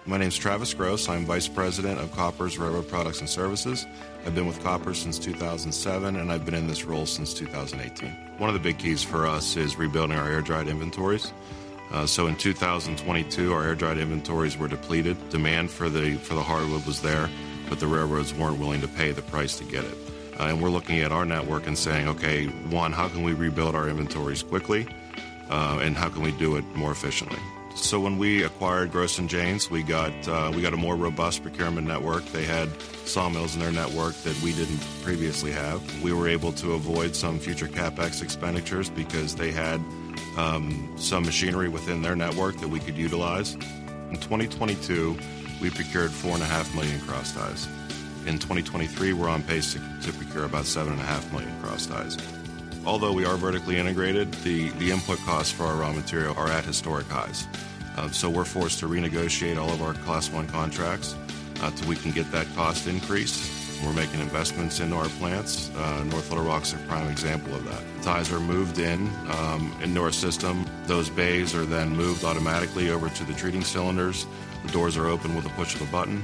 Speaker 4: My name is Travis Gross. I'm Vice President of Koppers Railroad Products and Services. I've been with Koppers since 2007, and I've been in this role since 2018. One of the big keys for us is rebuilding our air dried inventories. So in 2022, our air dried inventories were depleted. Demand for the, for the hardwood was there, but the railroads weren't willing to pay the price to get it. And we're looking at our network and saying: Okay, one, how can we rebuild our inventories quickly, and how can we do it more efficiently? So when we acquired Gross & Janes, we got, we got a more robust procurement network. They had sawmills in their network that we didn't previously have. We were able to avoid some future CapEx expenditures because they had some machinery within their network that we could utilize. In 2022, we procured 4.5 million crossties. In 2023, we're on pace to procure about 7.5 million crossties. Although we are vertically integrated, the input costs for our raw material are at historic highs, so we're forced to renegotiate all of our Class I contracts, so we can get that cost increase. We're making investments into our plants, North Little Rock's a prime example of that. Ties are moved into our system. Those bays are then moved automatically over to the treating cylinders. The doors are opened with the push of a button.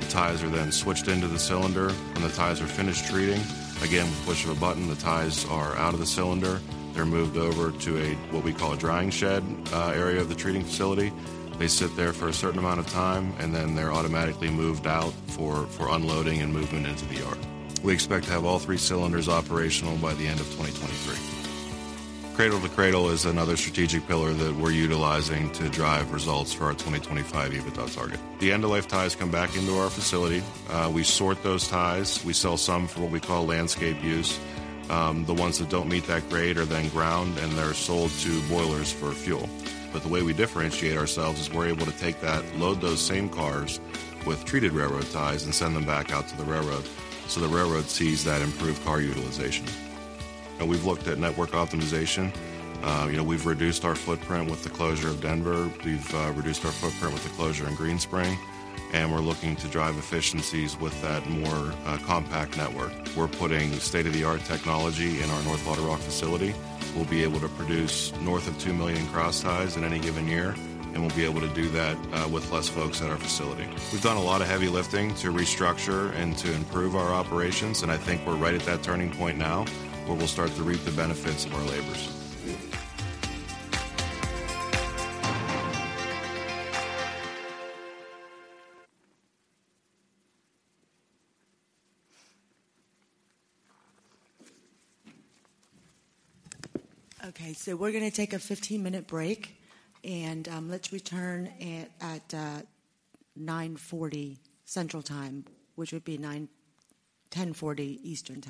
Speaker 4: The ties are then switched into the cylinder. When the ties are finished treating, again, with the push of a button, the ties are out of the cylinder. They're moved over to a, what we call a drying shed, area of the treating facility. They sit there for a certain amount of time, and then they're automatically moved out for, for unloading and movement into the yard. We expect to have all three cylinders operational by the end of 2023. Cradle to Cradle is another strategic pillar that we're utilizing to drive results for our 2025 EBITDA target. The end-of-life ties come back into our facility. We sort those ties. We sell some for what we call landscape use. The ones that don't meet that grade are then ground, and they're sold to boilers for fuel. But the way we differentiate ourselves is we're able to take that, load those same cars with treated railroad ties, and send them back out to the railroad, so the railroad sees that improved car utilization. We've looked at network optimization. You know, we've reduced our footprint with the closure of Denver. We've reduced our footprint with the closure in Green Spring, and we're looking to drive efficiencies with that more compact network. We're putting state-of-the-art technology in our North Little Rock facility. We'll be able to produce north of 2 million cross ties in any given year, and we'll be able to do that with less folks at our facility. We've done a lot of heavy lifting to restructure and to improve our operations, and I think we're right at that turning point now, where we'll start to reap the benefits of our labors.
Speaker 5: Okay, so we're gonna take a 15-minute break, and let's return at 9:40 Central Time, which would be 10:40 Eastern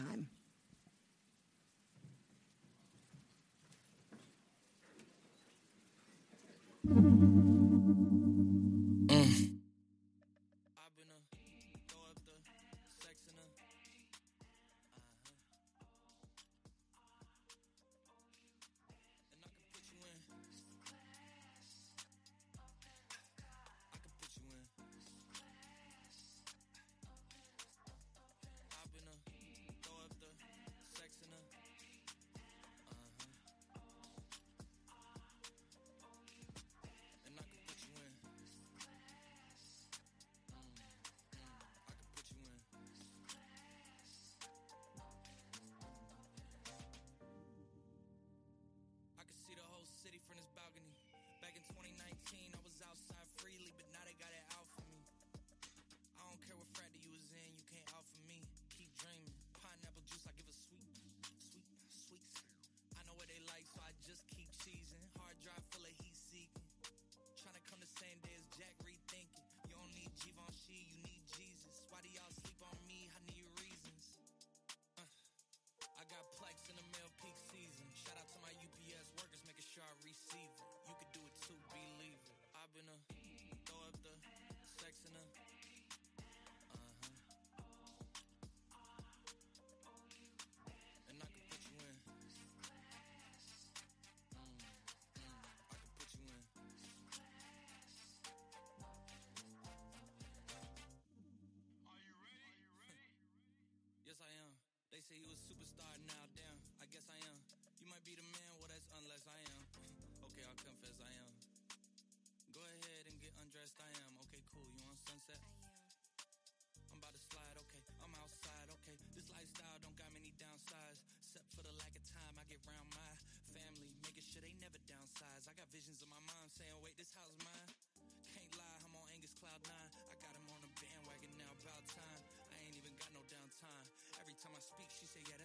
Speaker 5: Tim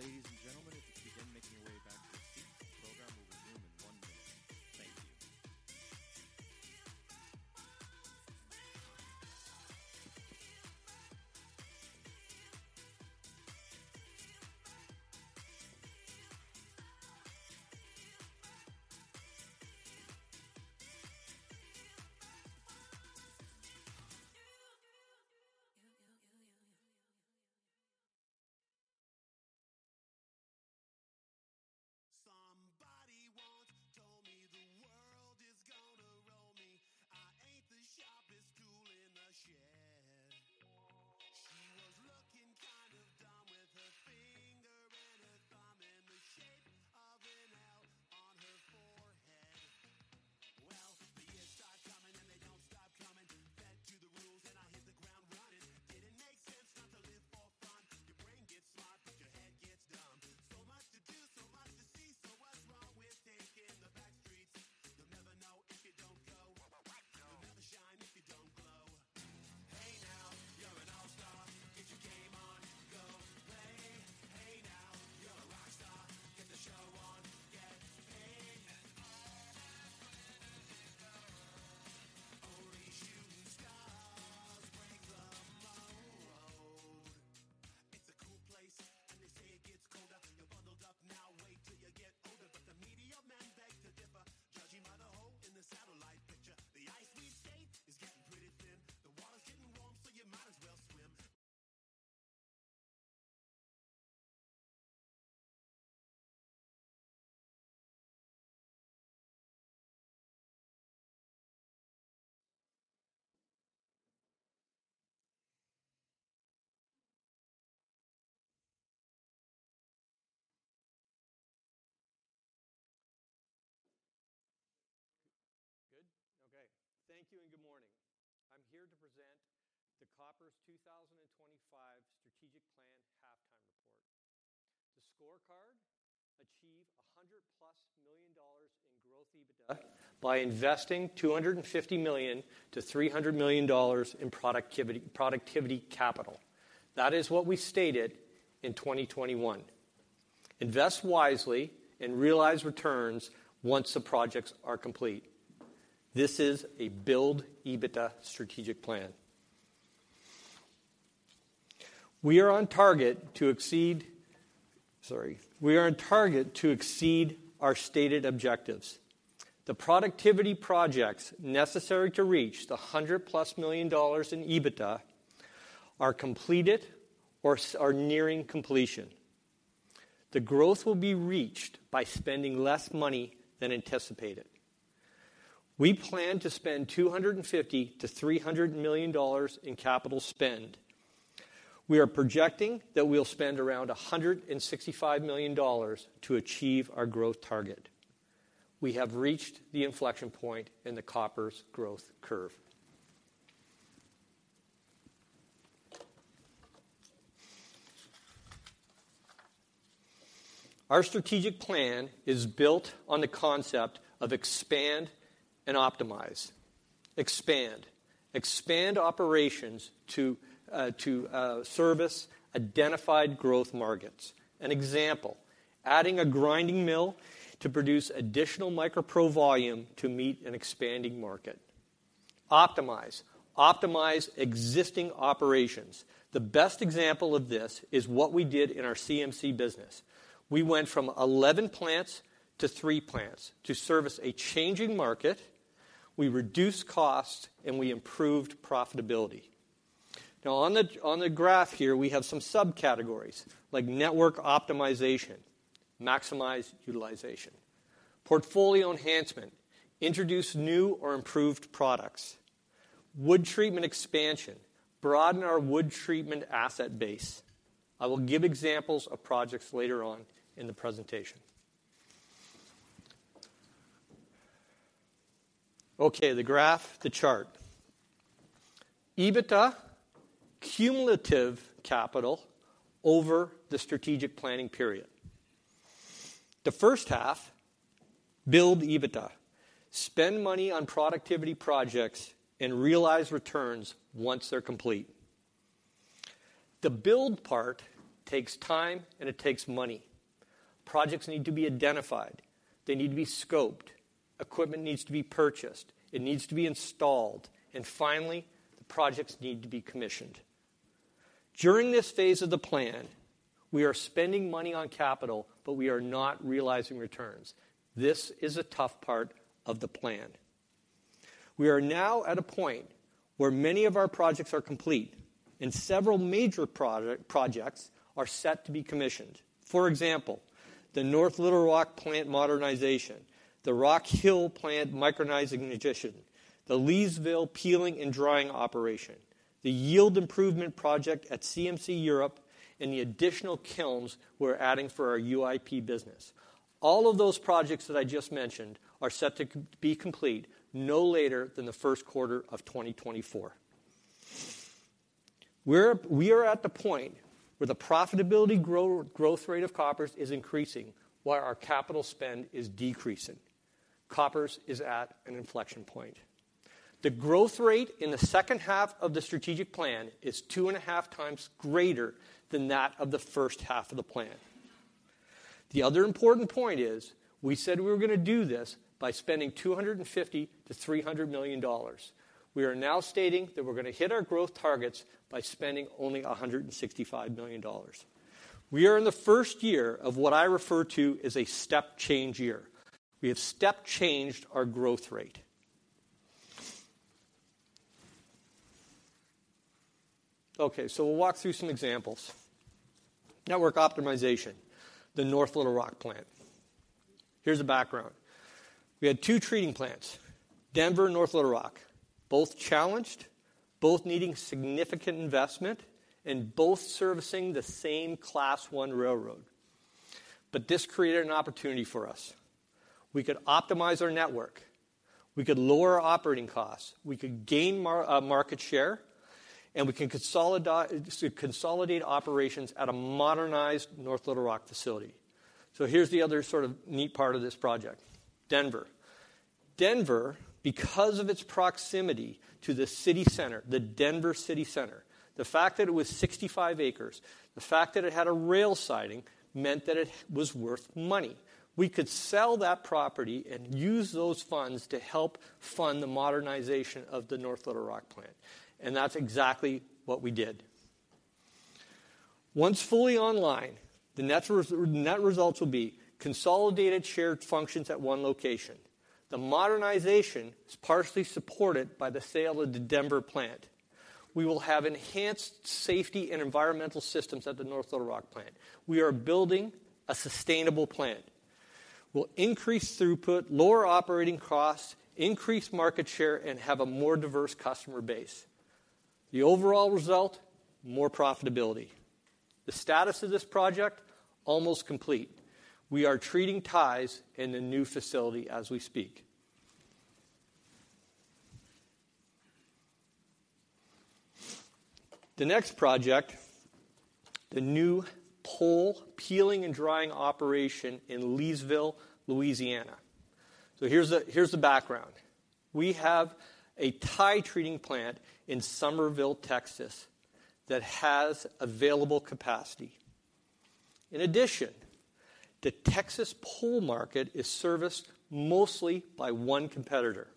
Speaker 5: Ladies and gentlemen, if you could begin making your way back to your seats, the program will resume in one minute. Thank you.
Speaker 6: Good? Okay. Thank you, and good morning. I'm here to present the Koppers' 2025 Strategic Plan Halftime Report. The scorecard: achieve $100+ million in growth EBITDA by investing $250 million-$300 million in productivity, productivity capital. That is what we stated in 2021. Invest wisely and realize returns once the projects are complete. This is a build EBITDA strategic plan. We are on target to exceed... Sorry. We are on target to exceed our stated objectives. The productivity projects necessary to reach the $100+ million in EBITDA are completed or are nearing completion. The growth will be reached by spending less money than anticipated. We plan to spend $250 million-$300 million in capital spend. We are projecting that we'll spend around $165 million to achieve our growth target. We have reached the inflection point in the Koppers growth curve. Our strategic plan is built on the concept of expand and optimize. Expand. Expand operations to service identified growth markets. An example, adding a grinding mill to produce additional MicroPro volume to meet an expanding market. Optimize. Optimize existing operations. The best example of this is what we did in our CMC business. We went from 11 plants to three plants to service a changing market, we reduced costs, and we improved profitability. Now, on the graph here, we have some subcategories, like network optimization, maximize utilization, portfolio enhancement, introduce new or improved products, wood treatment expansion, broaden our wood treatment asset base. I will give examples of projects later on in the presentation. Okay, the graph, the chart. EBITDA, cumulative capital over the strategic planning period. The first half, build EBITDA, spend money on productivity projects and realize returns once they're complete. The build part takes time, and it takes money. Projects need to be identified. They need to be scoped. Equipment needs to be purchased, it needs to be installed, and finally, the projects need to be commissioned. During this phase of the plan, we are spending money on capital, but we are not realizing returns. This is a tough part of the plan. We are now at a point where many of our projects are complete, and several major projects are set to be commissioned. For example, the North Little Rock plant modernization, the Rock Hill plant micronizing addition, the Leesville peeling and drying operation, the yield improvement project at CMC Europe, and the additional kilns we're adding for our UIP business. All of those projects that I just mentioned are set to be complete no later than the first quarter of 2024. We are at the point where the profitability growth rate of Koppers is increasing, while our capital spend is decreasing. Koppers is at an inflection point. The growth rate in the second half of the strategic plan is two and a half times greater than that of the first half of the plan. The other important point is, we said we were gonna do this by spending $250 million-$300 million. We are now stating that we're gonna hit our growth targets by spending only $165 million. We are in the first year of what I refer to as a step change year. We have step changed our growth rate. Okay, so we'll walk through some examples. Network optimization, the North Little Rock plant. Here's the background. We had two treating plants, Denver and North Little Rock, both challenged, both needing significant investment and both servicing the same Class I railroad. But this created an opportunity for us. We could optimize our network, we could lower operating costs, we could gain market share, and we can consolidate operations at a modernized North Little Rock facility. So here's the other sort of neat part of this project, Denver. Denver, because of its proximity to the city center, the Denver city center, the fact that it was 65 acres, the fact that it had a rail siding, meant that it was worth money. We could sell that property and use those funds to help fund the modernization of the North Little Rock plant, and that's exactly what we did. Once fully online, the net results will be consolidated, shared functions at one location. The modernization is partially supported by the sale of the Denver plant. We will have enhanced safety and environmental systems at the North Little Rock plant. We are building a sustainable plant. We'll increase throughput, lower operating costs, increase market share, and have a more diverse customer base. The overall result, more profitability. The status of this project, almost complete. We are treating ties in the new facility as we speak. The next project, the new pole peeling and drying operation in Leesville, Louisiana. So here's the background. We have a tie treating plant in Somerville, Texas, that has available capacity. In addition, the Texas pole market is serviced mostly by one competitor.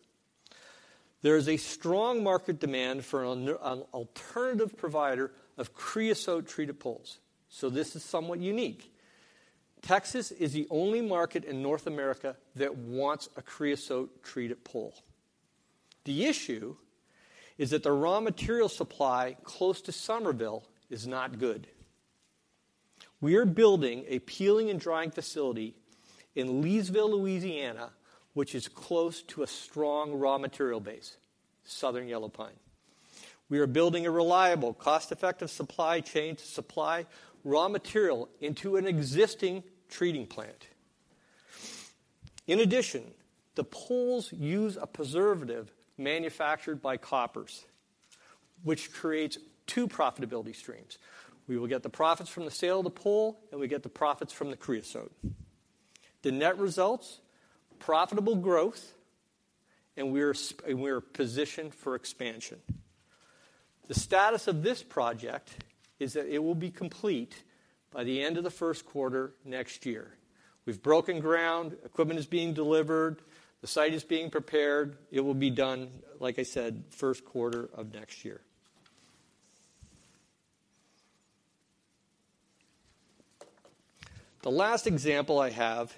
Speaker 6: There is a strong market demand for an alternative provider of creosote-treated poles. So this is somewhat unique. Texas is the only market in North America that wants a creosote-treated pole. The issue is that the raw material supply close to Somerville is not good. We are building a peeling and drying facility in Leesville, Louisiana, which is close to a strong raw material base, southern yellow pine. We are building a reliable, cost-effective supply chain to supply raw material into an existing treating plant. In addition, the poles use a preservative manufactured by Koppers, which creates two profitability streams. We will get the profits from the sale of the pole, and we get the profits from the creosote. The net results, profitable growth, and we are and we are positioned for expansion. The status of this project is that it will be complete by the end of the first quarter next year. We've broken ground. Equipment is being delivered. The site is being prepared. It will be done, like I said, first quarter of next year. The last example I have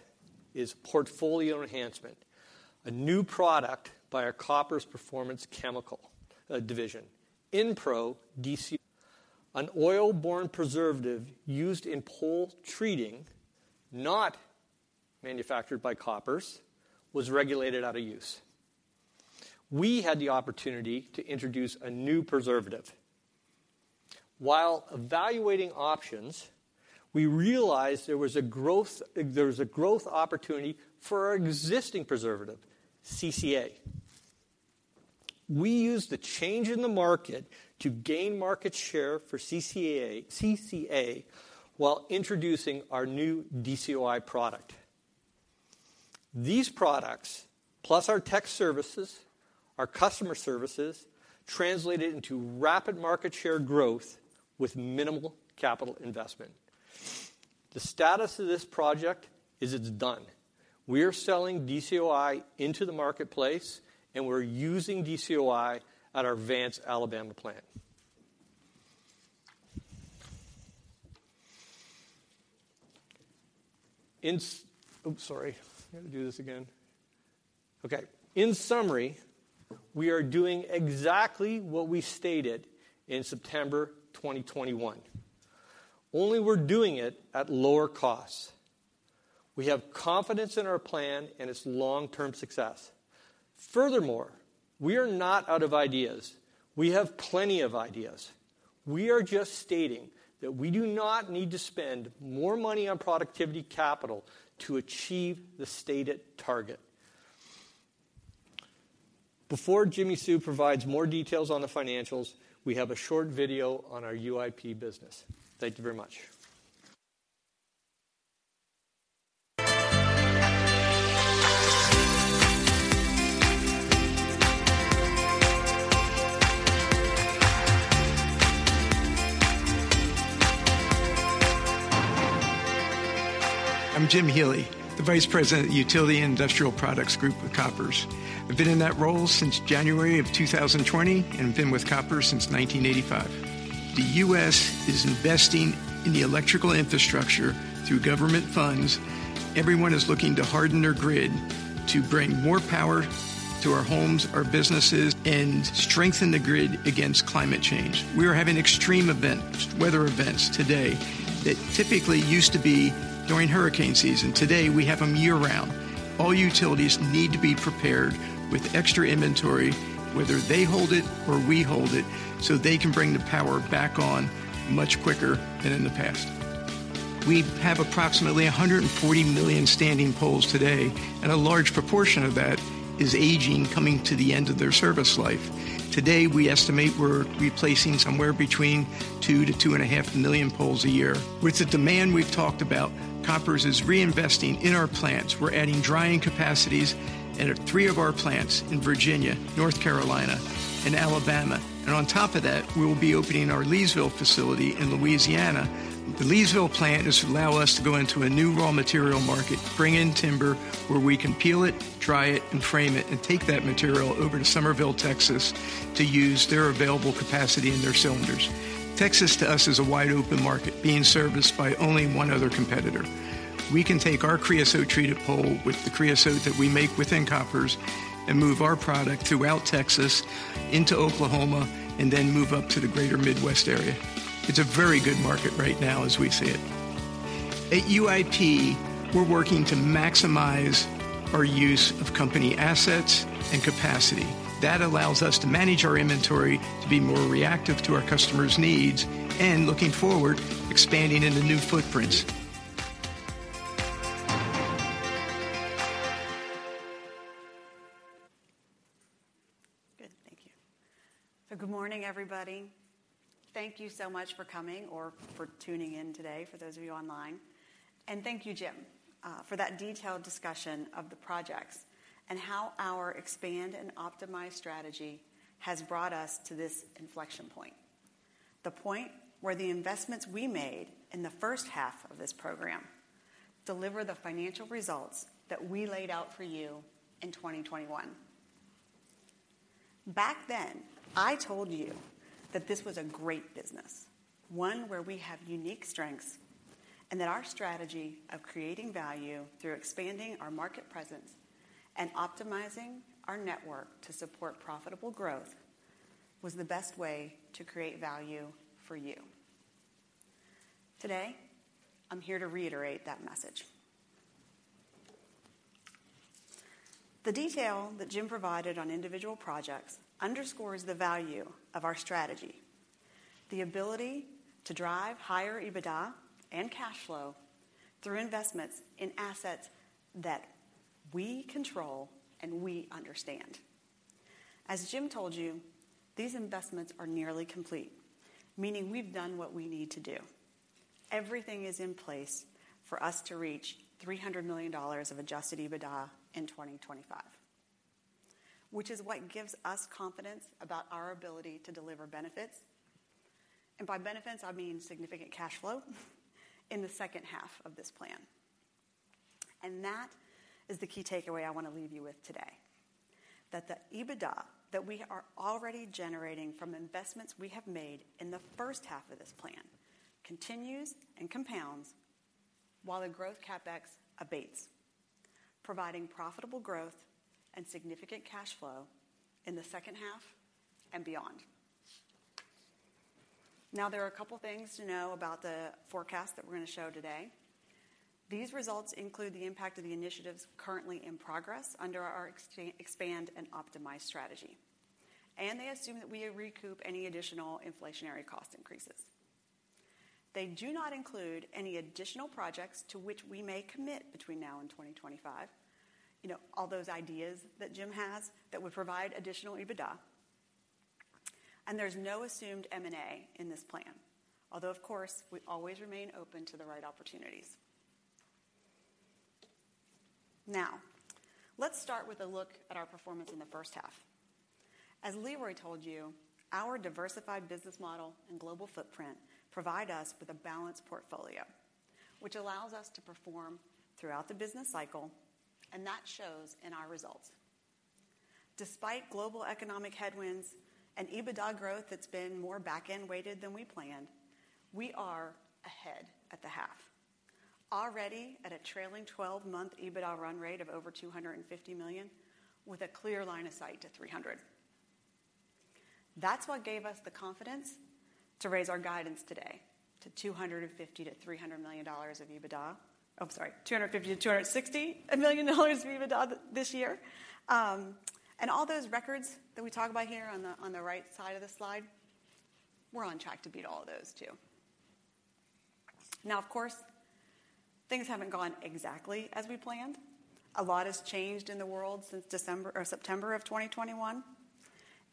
Speaker 6: is portfolio enhancement, a new product by our Koppers Performance Chemicals, division. Inpro DC, an oil-borne preservative used in pole treating, not manufactured by Koppers, was regulated out of use. We had the opportunity to introduce a new preservative. While evaluating options, we realized there was a growth, there was a growth opportunity for our existing preservative, CCA. We used the change in the market to gain market share for CCA, CCA, while introducing our new DCOI product. These products, plus our tech services, our customer services, translated into rapid market share growth with minimal capital investment. The status of this project is it's done. We are selling DCOI into the marketplace, and we're using DCOI at our Vance, Alabama plant. In summary, we are doing exactly what we stated in September 2021, only we're doing it at lower costs. We have confidence in our plan and its long-term success. Furthermore, we are not out of ideas. We have plenty of ideas. We are just stating that we do not need to spend more money on productivity capital to achieve the stated target. Before Jimmi Sue provides more details on the financials, we have a short video on our UIP business. Thank you very much.
Speaker 7: I'm Jim Healey, the Vice President of Utility and Industrial Products Group with Koppers. I've been in that role since January of 2020, and I've been with Koppers since 1985. The U.S. is investing in the electrical infrastructure through government funds. Everyone is looking to harden their grid to bring more power to our homes, our businesses, and strengthen the grid against climate change. We are having extreme event, weather events today that typically used to be during hurricane season. Today, we have them year-round.... All utilities need to be prepared with extra inventory, whether they hold it or we hold it, so they can bring the power back on much quicker than in the past. We have approximately 140 million standing poles today, and a large proportion of that is aging, coming to the end of their service life. Today, we estimate we're replacing somewhere between 2-2.5 million poles a year. With the demand we've talked about, Koppers is reinvesting in our plants. We're adding drying capacities into 3 of our plants in Virginia, North Carolina, and Alabama. And on top of that, we will be opening our Leesville facility in Louisiana. The Leesville plant has allowed us to go into a new raw material market, bring in timber, where we can peel it, dry it, and frame it, and take that material over to Somerville, Texas, to use their available capacity in their cylinders. Texas, to us, is a wide-open market being serviced by only one other competitor. We can take our creosote-treated pole with the creosote that we make within Koppers and move our product throughout Texas into Oklahoma and then move up to the greater Midwest area. It's a very good market right now, as we see it. At UIP, we're working to maximize our use of company assets and capacity. That allows us to manage our inventory to be more reactive to our customers' needs and, looking forward, expanding into new footprints.
Speaker 8: Good. Thank you. So good morning, everybody. Thank you so much for coming or for tuning in today, for those of you online. And thank you, Jim, for that detailed discussion of the projects and how our Expand and Optimize strategy has brought us to this inflection point, the point where the investments we made in the first half of this program deliver the financial results that we laid out for you in 2021. Back then, I told you that this was a great business, one where we have unique strengths, and that our strategy of creating value through expanding our market presence and optimizing our network to support profitable growth was the best way to create value for you. Today, I'm here to reiterate that message. The detail that Jim provided on individual projects underscores the value of our strategy, the ability to drive higher EBITDA and cash flow through investments in assets that we control and we understand. As Jim told you, these investments are nearly complete, meaning we've done what we need to do. Everything is in place for us to reach $300 million of adjusted EBITDA in 2025, which is what gives us confidence about our ability to deliver benefits. By benefits, I mean significant cash flow in the second half of this plan. That is the key takeaway I want to leave you with today, that the EBITDA that we are already generating from investments we have made in the first half of this plan continues and compounds while the growth CapEx abates, providing profitable growth and significant cash flow in the second half and beyond. Now, there are a couple of things to know about the forecast that we're going to show today. These results include the impact of the initiatives currently in progress under our Expand and Optimize strategy, and they assume that we recoup any additional inflationary cost increases. They do not include any additional projects to which we may commit between now and 2025. You know, all those ideas that Jim has that would provide additional EBITDA, and there's no assumed M&A in this plan, although, of course, we always remain open to the right opportunities. Now, let's start with a look at our performance in the first half. As Leroy told you, our diversified business model and global footprint provide us with a balanced portfolio, which allows us to perform throughout the business cycle, and that shows in our results. Despite global economic headwinds and EBITDA growth that's been more back-end weighted than we planned, we are ahead at the half, already at a trailing twelve-month EBITDA run rate of over $250 million, with a clear line of sight to $300 million. That's what gave us the confidence to raise our guidance today to $250-$300 million of EBITDA. Oh, I'm sorry, $250-$260 million of EBITDA this year. And all those records that we talk about here on the, on the right side of the slide, we're on track to beat all of those, too. Now, of course, things haven't gone exactly as we planned. A lot has changed in the world since December or September of 2021.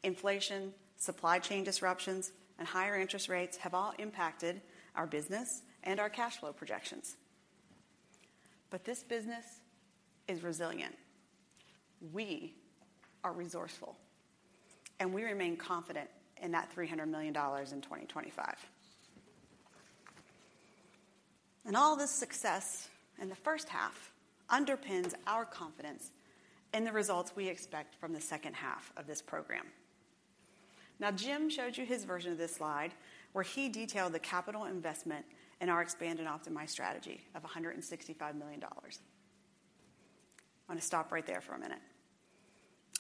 Speaker 8: Inflation, supply chain disruptions, and higher interest rates have all impacted our business and our cash flow projections. But this business is resilient, we are resourceful, and we remain confident in that $300 million in 2025. And all this success in the first half underpins our confidence in the results we expect from the second half of this program. Now, Jim showed you his version of this slide, where he detailed the capital investment in our expanded optimized strategy of $165 million. I'm going to stop right there for a minute...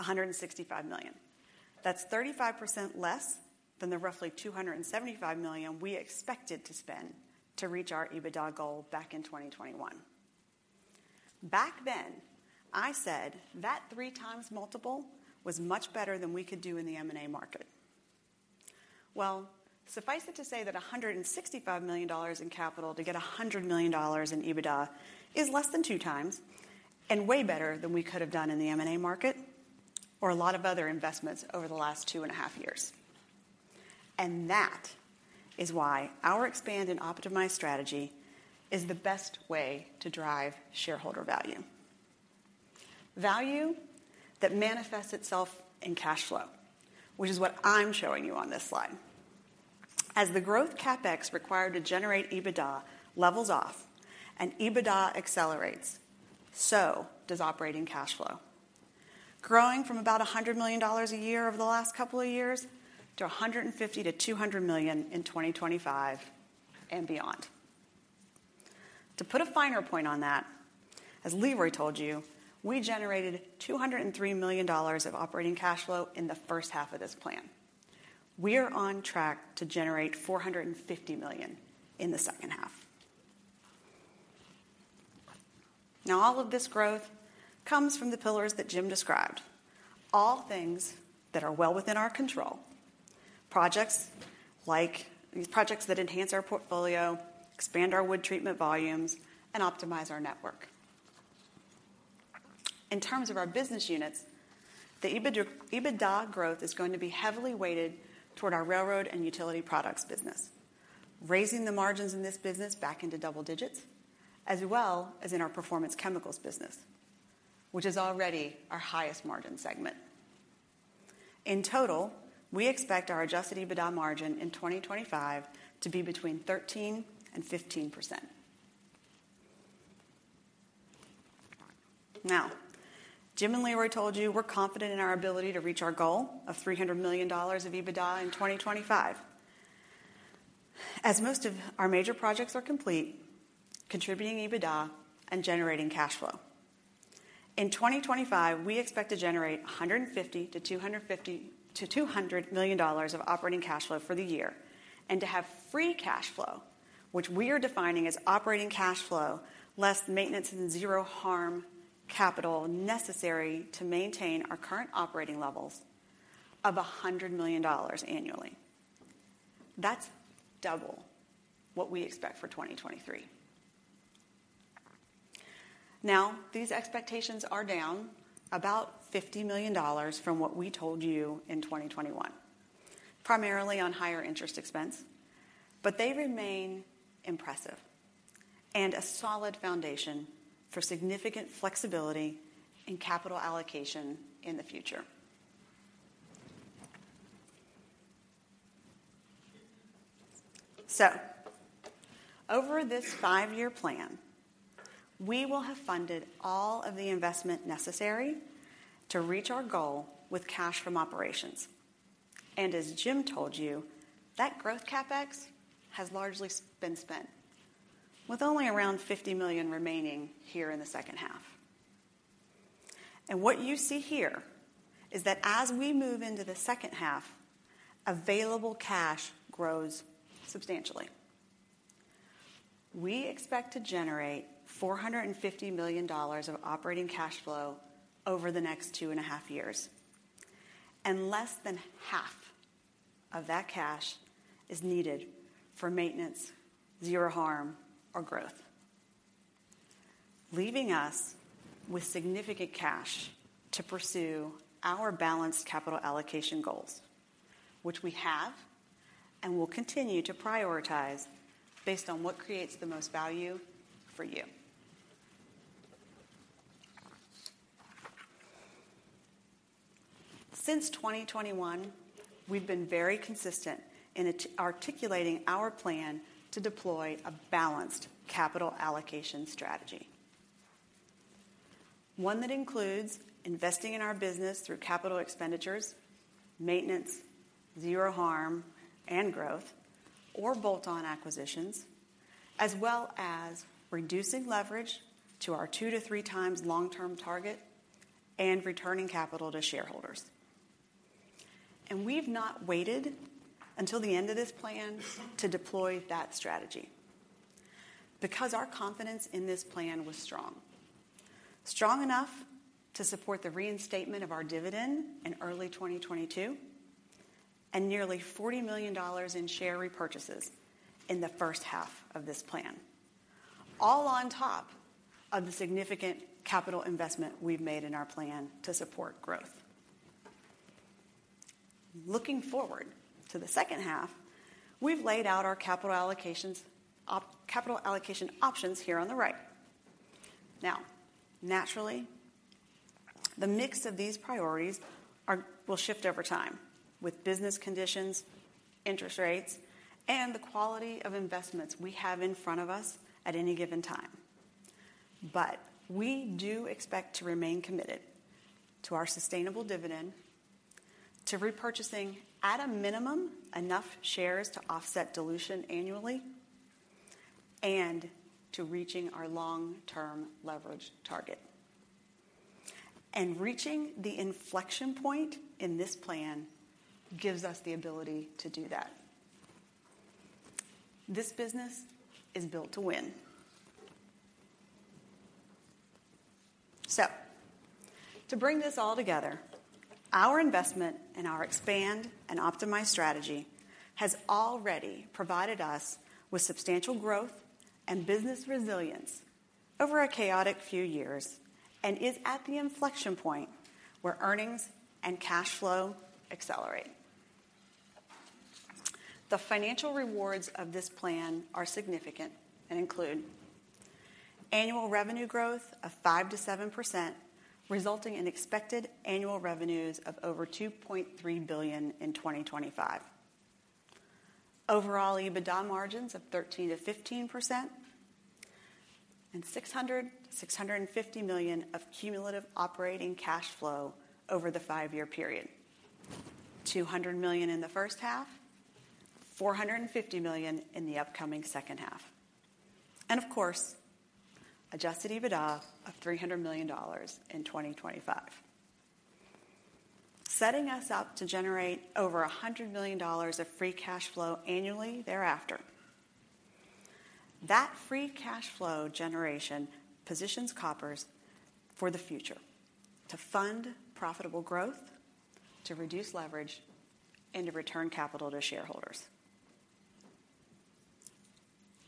Speaker 8: $165 million. That's 35% less than the roughly $275 million we expected to spend to reach our EBITDA goal back in 2021. Back then, I said that 3x multiple was much better than we could do in the M&A market. Well, suffice it to say that $165 million in capital to get $100 million in EBITDA is less than 2x, and way better than we could have done in the M&A market or a lot of other investments over the last 2.5 years. And that is why our Expand and Optimize strategy is the best way to drive shareholder value. Value that manifests itself in cash flow, which is what I'm showing you on this slide. As the growth CapEx required to generate EBITDA levels off and EBITDA accelerates, so does operating cash flow. Growing from about $100 million a year over the last couple of years to $150 million-$200 million in 2025 and beyond. To put a finer point on that, as Leroy told you, we generated $203 million of operating cash flow in the first half of this plan. We are on track to generate $450 million in the second half. Now, all of this growth comes from the pillars that Jim described, all things that are well within our control. Projects like these projects that enhance our portfolio, expand our wood treatment volumes, and optimize our network. In terms of our business units, the EBITDA growth is going to be heavily weighted toward our railroad and utility products business, raising the margins in this business back into double digits, as well as in our performance chemicals business, which is already our highest margin segment. In total, we expect our adjusted EBITDA margin in 2025 to be between 13% and 15%. Now, Jim and Leroy told you we're confident in our ability to reach our goal of $300 million of EBITDA in 2025. As most of our major projects are complete, contributing EBITDA and generating cash flow. In 2025, we expect to generate $150 million-$200 million of operating cash flow for the year, and to have free cash flow, which we are defining as operating cash flow, less maintenance and zero harm capital necessary to maintain our current operating levels of $100 million annually. That's double what we expect for 2023. Now, these expectations are down about $50 million from what we told you in 2021, primarily on higher interest expense, but they remain impressive and a solid foundation for significant flexibility and capital allocation in the future. So over this 5-year plan, we will have funded all of the investment necessary to reach our goal with cash from operations. And as Jim told you, that growth CapEx has largely been spent, with only around $50 million remaining here in the second half. And what you see here is that as we move into the second half, available cash grows substantially. We expect to generate $450 million of operating cash flow over the next 2.5 years, and less than half of that cash is needed for maintenance, Zero Harm, or growth, leaving us with significant cash to pursue our balanced capital allocation goals, which we have and will continue to prioritize based on what creates the most value for you. Since 2021, we've been very consistent in articulating our plan to deploy a balanced capital allocation strategy. One that includes investing in our business through capital expenditures, maintenance, Zero Harm, and growth, or bolt-on acquisitions, as well as reducing leverage to our 2-3 times long-term target and returning capital to shareholders. And we've not waited until the end of this plan to deploy that strategy, because our confidence in this plan was strong, strong enough to support the reinstatement of our dividend in early 2022, and nearly $40 million in share repurchases in the first half of this plan, all on top of the significant capital investment we've made in our plan to support growth. Looking forward to the second half, we've laid out our capital allocation options here on the right. Now, naturally, the mix of these priorities are, will shift over time with business conditions, interest rates, and the quality of investments we have in front of us at any given time. But we do expect to remain committed to our sustainable dividend, to repurchasing, at a minimum, enough shares to offset dilution annually... and to reaching our long-term leverage target. Reaching the inflection point in this plan gives us the ability to do that. This business is built to win. To bring this all together, our investment and our Expand and Optimize strategy has already provided us with substantial growth and business resilience over a chaotic few years, and is at the inflection point where earnings and cash flow accelerate. The financial rewards of this plan are significant and include: annual revenue growth of 5%-7%, resulting in expected annual revenues of over $2.3 billion in 2025. Overall, EBITDA margins of 13%-15%, and $600 million-$650 million of cumulative operating cash flow over the five-year period. $200 million in the first half, $450 million in the upcoming second half, and of course, adjusted EBITDA of $300 million in 2025, setting us up to generate over $100 million of free cash flow annually thereafter. That free cash flow generation positions Koppers for the future, to fund profitable growth, to reduce leverage, and to return capital to shareholders.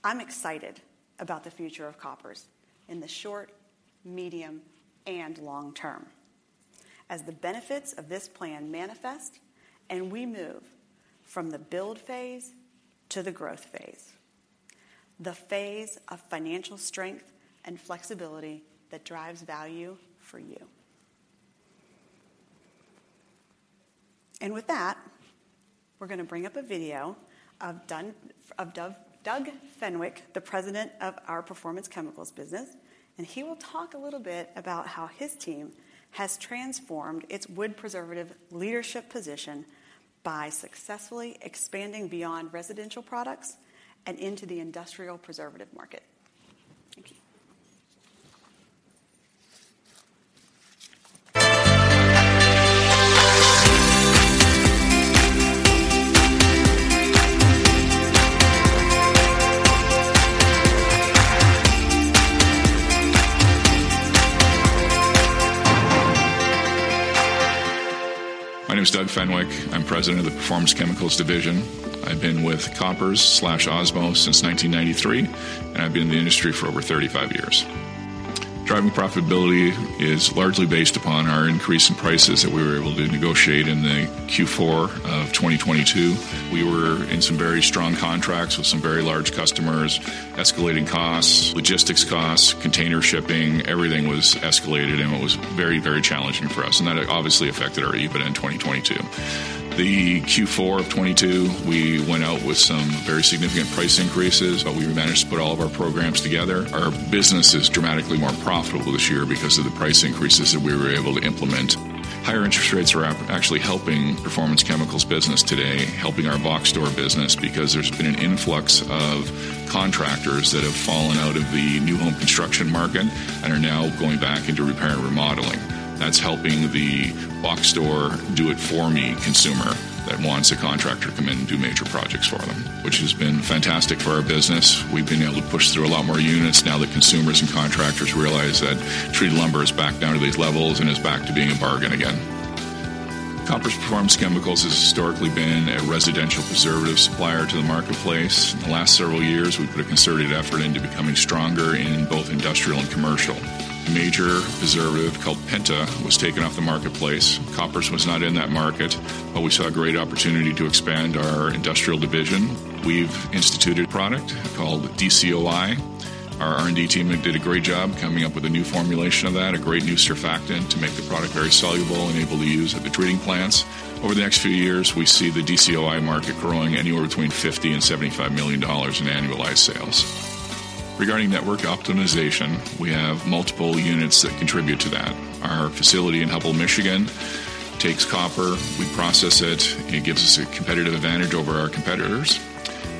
Speaker 8: I'm excited about the future of Koppers in the short, medium, and long term as the benefits of this plan manifest, and we move from the build phase to the growth phase, the phase of financial strength and flexibility that drives value for you. With that, we're gonna bring up a video of Doug Fenwick, the President of our Performance Chemicals business, and he will talk a little bit about how his team has transformed its wood preservative leadership position by successfully expanding beyond residential products and into the industrial preservative market. Thank you.
Speaker 9: My name is Doug Fenwick. I'm President of the Performance Chemicals Division. I've been with Koppers Osmose since 1993, and I've been in the industry for over 35 years. Driving profitability is largely based upon our increase in prices that we were able to negotiate in the Q4 of 2022. We were in some very strong contracts with some very large customers, escalating costs, logistics costs, container shipping, everything was escalated, and it was very, very challenging for us, and that obviously affected our EBITDA in 2022. The Q4 of 2022, we went out with some very significant price increases, but we managed to put all of our programs together. Our business is dramatically more profitable this year because of the price increases that we were able to implement. Higher interest rates are actually helping Performance Chemicals business today, helping our box store business, because there's been an influx of contractors that have fallen out of the new home construction market and are now going back into repair and remodeling. That's helping the box store do-it-for-me consumer that wants a contractor to come in and do major projects for them, which has been fantastic for our business. We've been able to push through a lot more units now that consumers and contractors realize that treated lumber is back down to these levels and is back to being a bargain again. Koppers Performance Chemicals has historically been a residential preservative supplier to the marketplace. In the last several years, we've put a concerted effort into becoming stronger in both industrial and commercial. A major preservative called Penta was taken off the marketplace. Koppers was not in that market, but we saw a great opportunity to expand our industrial division. We've instituted a product called DCOI. Our R&D team did a great job coming up with a new formulation of that, a great new surfactant to make the product very soluble and able to use at the treating plants. Over the next few years, we see the DCOI market growing anywhere between $50 million-$75 million in annualized sales. Regarding network optimization, we have multiple units that contribute to that. Our facility in Hubbell, Michigan, takes copper, we process it, and it gives us a competitive advantage over our competitors.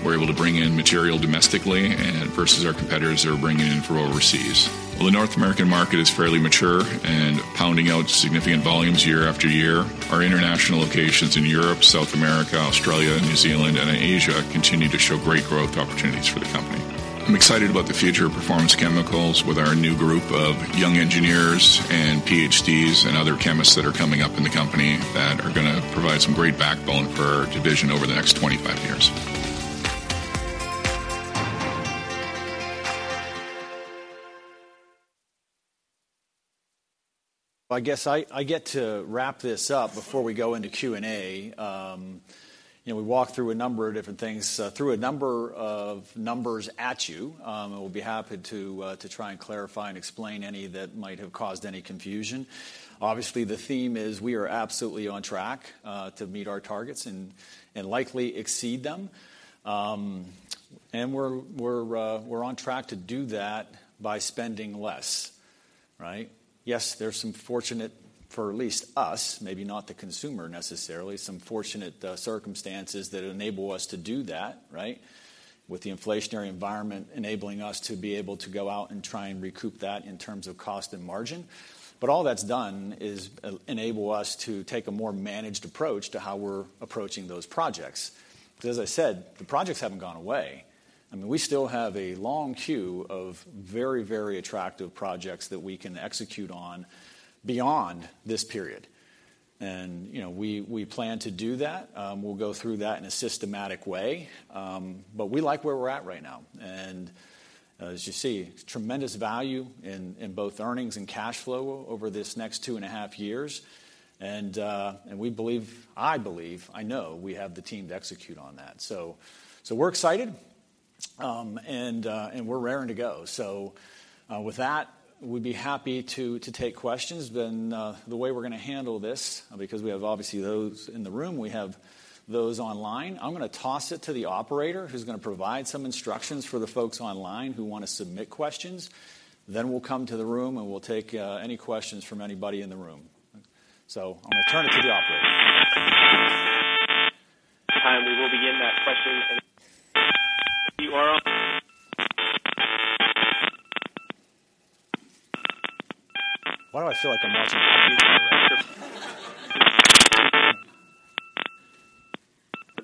Speaker 9: We're able to bring in material domestically and versus our competitors that are bringing it in from overseas. Well, the North American market is fairly mature and pounding out significant volumes year after year. Our international locations in Europe, South America, Australia, New Zealand, and Asia continue to show great growth opportunities for the company. I'm excited about the future of Performance Chemicals with our new group of young engineers and PhDs, and other chemists that are coming up in the company that are gonna provide some great backbone for our division over the next 25 years.
Speaker 8: I guess I get to wrap this up before we go into Q&A. You know, we walked through a number of different things, threw a number of numbers at you, and we'll be happy to try and clarify and explain any that might have caused any confusion. Obviously, the theme is we are absolutely on track to meet our targets and likely exceed them. And we're on track to do that by spending less.
Speaker 1: Right? Yes, there's some fortunate, for at least us, maybe not the consumer necessarily, some fortunate, circumstances that enable us to do that, right? With the inflationary environment enabling us to be able to go out and try and recoup that in terms of cost and margin. But all that's done is enable us to take a more managed approach to how we're approaching those projects. Because as I said, the projects haven't gone away, and we still have a long queue of very, very attractive projects that we can execute on beyond this period. And, you know, we, we plan to do that. We'll go through that in a systematic way, but we like where we're at right now. As you see, tremendous value in both earnings and cash flow over this next 2.5 years, and we believe, I believe, I know we have the team to execute on that. So, we're excited, and we're raring to go. So, with that, we'd be happy to take questions. Then, the way we're gonna handle this, because we have obviously those in the room, we have those online, I'm gonna toss it to the operator, who's gonna provide some instructions for the folks online who want to submit questions. Then we'll come to the room, and we'll take any questions from anybody in the room. So I'm going to turn it to the operator.
Speaker 5: We will begin that question and...
Speaker 1: Why do I feel like I'm watching TV?
Speaker 5: For the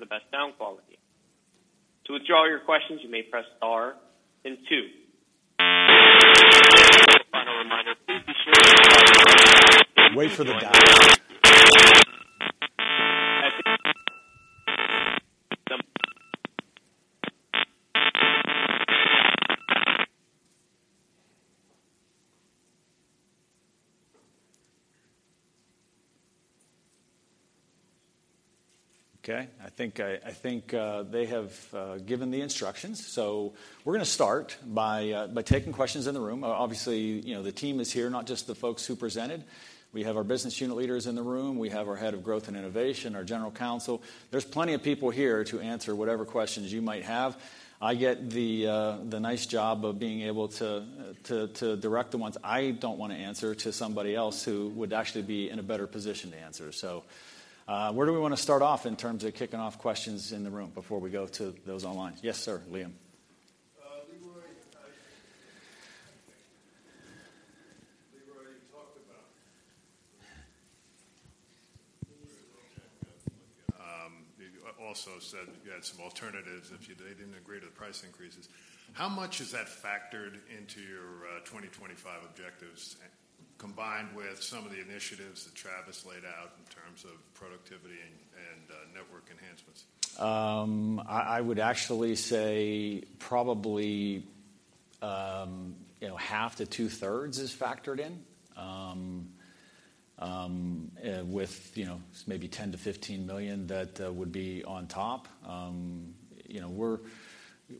Speaker 5: best sound quality. To withdraw your questions, you may press star then two. A final reminder, please be sure-
Speaker 1: Wait for the dot. Okay, I think they have given the instructions, so we're gonna start by taking questions in the room. Obviously, you know, the team is here, not just the folks who presented. We have our business unit leaders in the room. We have our head of growth and innovation, our general counsel. There's plenty of people here to answer whatever questions you might have. I get the nice job of being able to direct the ones I don't want to answer to somebody else who would actually be in a better position to answer. So, where do we want to start off in terms of kicking off questions in the room before we go to those online? Yes, sir, Liam.
Speaker 10: Leroy, Leroy, you talked about, you also said you had some alternatives if they didn't agree to the price increases. How much has that factored into your 2025 objectives, combined with some of the initiatives that Travis laid out in terms of productivity and network enhancements?
Speaker 1: I would actually say probably, you know, half to two-thirds is factored in, with, you know, maybe $10-$15 million that would be on top. You know,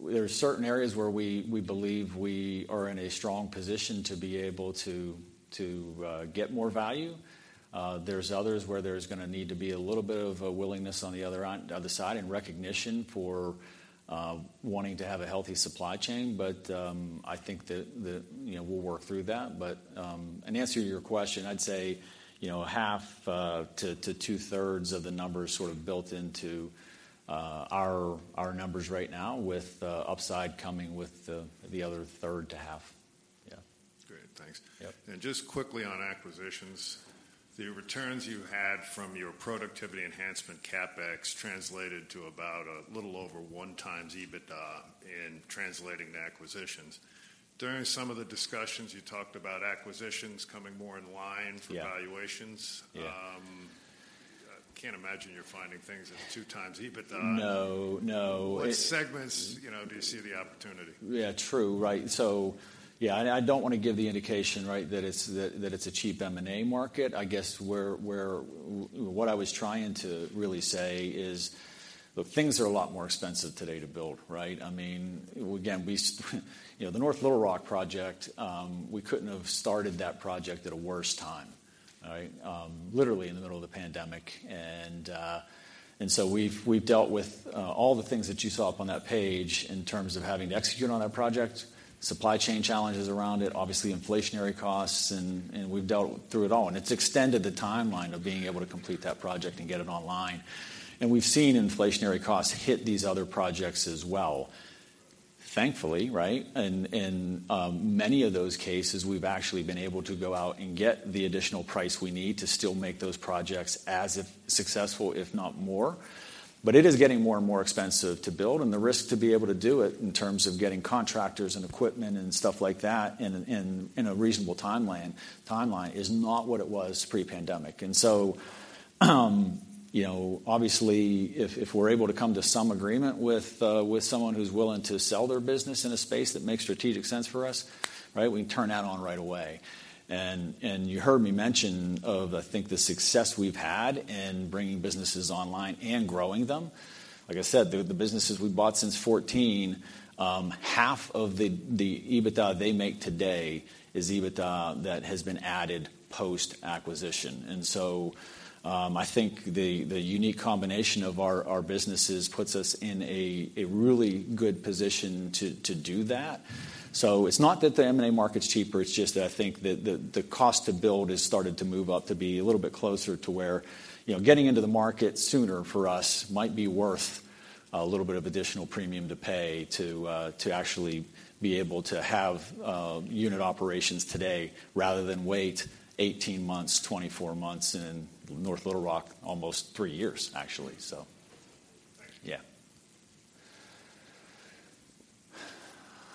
Speaker 1: there are certain areas where we believe we are in a strong position to be able to get more value. There's others where there's gonna need to be a little bit of a willingness on the other end, other side, and recognition for wanting to have a healthy supply chain. But I think that, you know, we'll work through that. But in answer to your question, I'd say, you know, half to two-thirds of the numbers sort of built into our numbers right now, with upside coming with the other third to half. Yeah.
Speaker 10: Great, thanks.
Speaker 1: Yep.
Speaker 10: Just quickly on acquisitions, the returns you had from your productivity enhancement CapEx translated to about a little over 1x EBITDA in translating the acquisitions. During some of the discussions, you talked about acquisitions coming more in line-
Speaker 1: Yeah
Speaker 10: -for valuations.
Speaker 1: Yeah.
Speaker 10: I can't imagine you're finding things at 2x EBITDA.
Speaker 1: No, no.
Speaker 10: What segments, you know, do you see the opportunity?
Speaker 1: Yeah, true. Right. So, yeah, and I don't want to give the indication, right, that it's, that, that it's a cheap M&A market. I guess what I was trying to really say is, look, things are a lot more expensive today to build, right? I mean, again, you know, the North Little Rock project, we couldn't have started that project at a worse time. All right? Literally in the middle of the pandemic, and so we've dealt with all the things that you saw up on that page in terms of having to execute on that project, supply chain challenges around it, obviously inflationary costs, and we've dealt with through it all. It's extended the timeline of being able to complete that project and get it online, and we've seen inflationary costs hit these other projects as well. Thankfully, right, many of those cases, we've actually been able to go out and get the additional price we need to still make those projects as successful, if not more. But it is getting more and more expensive to build and the risk to be able to do it, in terms of getting contractors and equipment and stuff like that, in a reasonable timeline, is not what it was pre-pandemic. And so, you know, obviously, if we're able to come to some agreement with someone who's willing to sell their business in a space that makes strategic sense for us, right, we can turn that on right away. You heard me mention of, I think, the success we've had in bringing businesses online and growing them. Like I said, the businesses we've bought since 2014, half of the EBITDA they make today is EBITDA that has been added post-acquisition. So I think the unique combination of our businesses puts us in a really good position to do that. So it's not that the M&A market's cheaper, it's just that I think the cost to build has started to move up to be a little bit closer to where, you know, getting into the market sooner for us might be worth-... a little bit of additional premium to pay to, to actually be able to have unit operations today, rather than wait 18 months, 24 months, and in North Little Rock, almost three years, actually, so.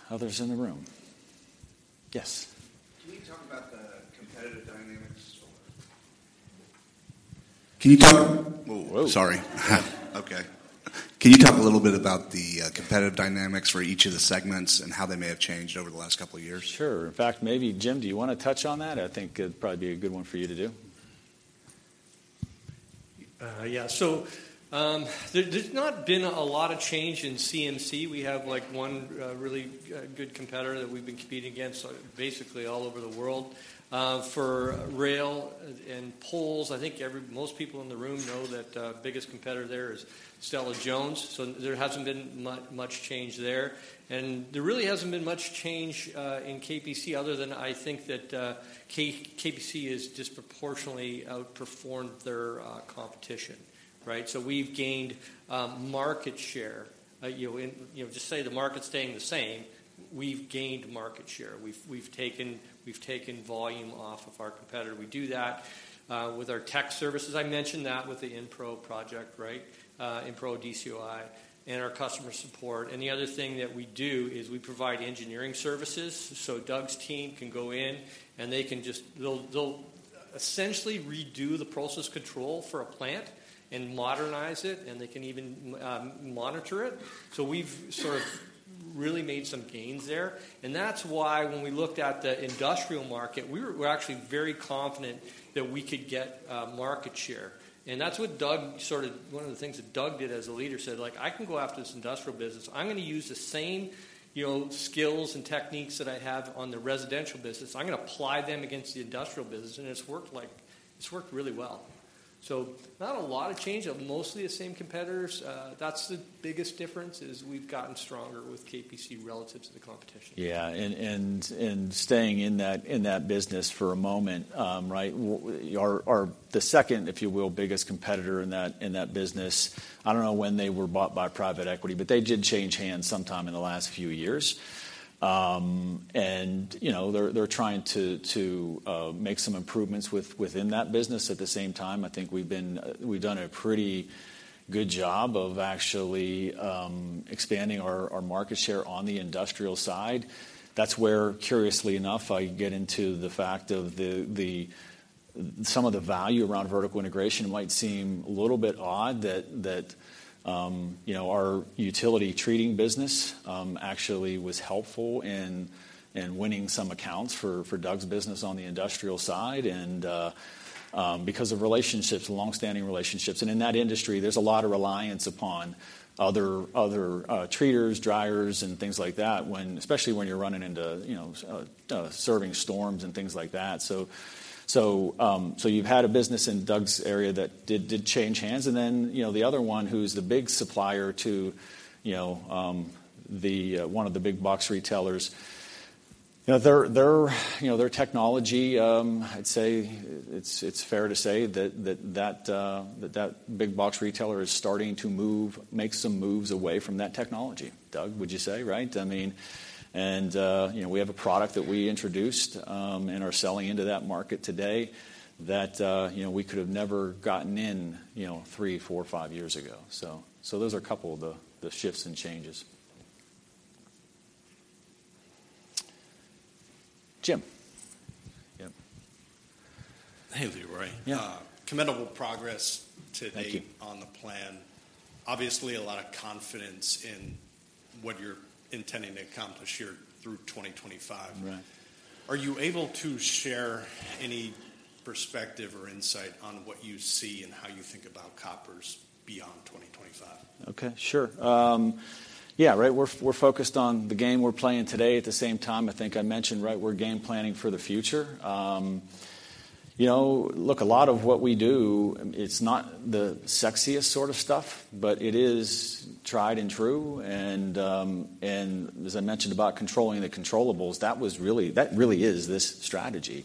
Speaker 1: Yeah. Others in the room? Yes.
Speaker 11: Can you talk about the competitive dynamics or...
Speaker 1: Oh, whoa!
Speaker 11: Sorry. Okay. Can you talk a little bit about the competitive dynamics for each of the segments and how they may have changed over the last couple of years?
Speaker 1: Sure. In fact, maybe Jim, do you wanna touch on that? I think it'd probably be a good one for you to do.
Speaker 6: Yeah. So, there's not been a lot of change in C&C. We have, like, one really good competitor that we've been competing against, basically all over the world. For rail and poles, I think most people in the room know that, biggest competitor there is Stella-Jones, so there hasn't been much change there. And there really hasn't been much change in KPC, other than I think that KPC has disproportionately outperformed their competition, right? So we've gained market share. You know, and, you know, just say the market's staying the same, we've gained market share. We've taken volume off of our competitor. We do that with our tech services. I mentioned that with the EnPro project, right? EnPro DCOI and our customer support. And the other thing that we do is we provide engineering services, so Doug's team can go in, and they'll essentially redo the process control for a plant and modernize it, and they can even monitor it. So we've sort of really made some gains there, and that's why when we looked at the industrial market, we're actually very confident that we could get market share. And that's what Doug sort of one of the things that Doug did as a leader, said, like: "I can go after this industrial business. I'm gonna use the same, you know, skills and techniques that I have on the residential business. I'm gonna apply them against the industrial business," and it's worked, like, it's worked really well. So not a lot of change, mostly the same competitors. That's the biggest difference, is we've gotten stronger with KPC relative to the competition.
Speaker 1: Yeah, and staying in that business for a moment, right? The second, if you will, biggest competitor in that business, I don't know when they were bought by private equity, but they did change hands sometime in the last few years. And, you know, they're trying to make some improvements within that business. At the same time, I think we've been, we've done a pretty good job of actually expanding our market share on the industrial side. That's where, curiously enough, I get into the fact of some of the value around vertical integration. It might seem a little bit odd that our utility treating business actually was helpful in winning some accounts for Doug's business on the industrial side and because of relationships, longstanding relationships. And in that industry, there's a lot of reliance upon other treaters, dryers, and things like that, when especially when you're running into you know serving storms and things like that. So you've had a business in Doug's area that did change hands, and then you know the other one, who's the big supplier to you know the one of the big box retailers. You know, their technology. I'd say it's fair to say that that big box retailer is starting to make some moves away from that technology. Doug, would you say, right? I mean, and you know, we have a product that we introduced and are selling into that market today, that you know, we could have never gotten in, you know, three, four, five years ago. So those are a couple of the shifts and changes. Jim. Yep.
Speaker 11: Hey, Leroy.
Speaker 1: Yeah.
Speaker 11: Commendable progress to date.
Speaker 1: Thank you...
Speaker 11: on the plan. Obviously, a lot of confidence in what you're intending to accomplish here through 2025.
Speaker 1: Right.
Speaker 11: Are you able to share any perspective or insight on what you see and how you think about Koppers beyond 2025?
Speaker 1: Okay. Sure. Yeah, right, we're focused on the game we're playing today. At the same time, I think I mentioned, right, we're game planning for the future. You know, look, a lot of what we do, it's not the sexiest sort of stuff, but it is tried and true, and as I mentioned about controlling the controllables, that really is this strategy,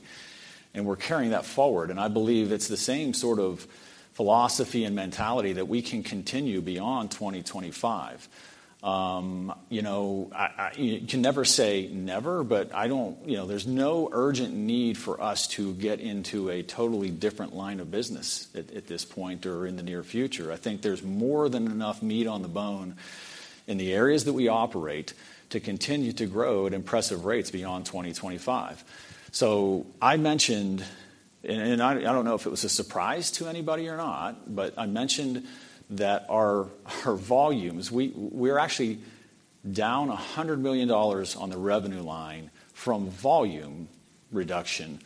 Speaker 1: and we're carrying that forward. And I believe it's the same sort of philosophy and mentality that we can continue beyond 2025. You know, you can never say never, but you know, there's no urgent need for us to get into a totally different line of business at this point or in the near future. I think there's more than enough meat on the bone in the areas that we operate to continue to grow at impressive rates beyond 2025. So I mentioned, and I don't know if it was a surprise to anybody or not, but I mentioned that our volumes... We're actually down $100 million on the revenue line from volume reduction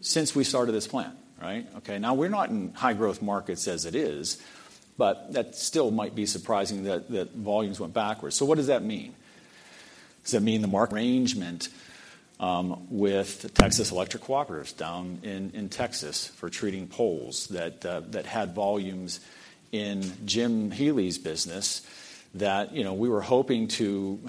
Speaker 1: since we started this plan, right? Okay, now, we're not in high-growth markets as it is, but that still might be surprising that volumes went backwards. So what does that mean? Does that mean the mark arrangement with the Texas Electric Cooperatives down in Texas for treating poles that had volumes in Jim Healey's business, that, you know, we were hoping to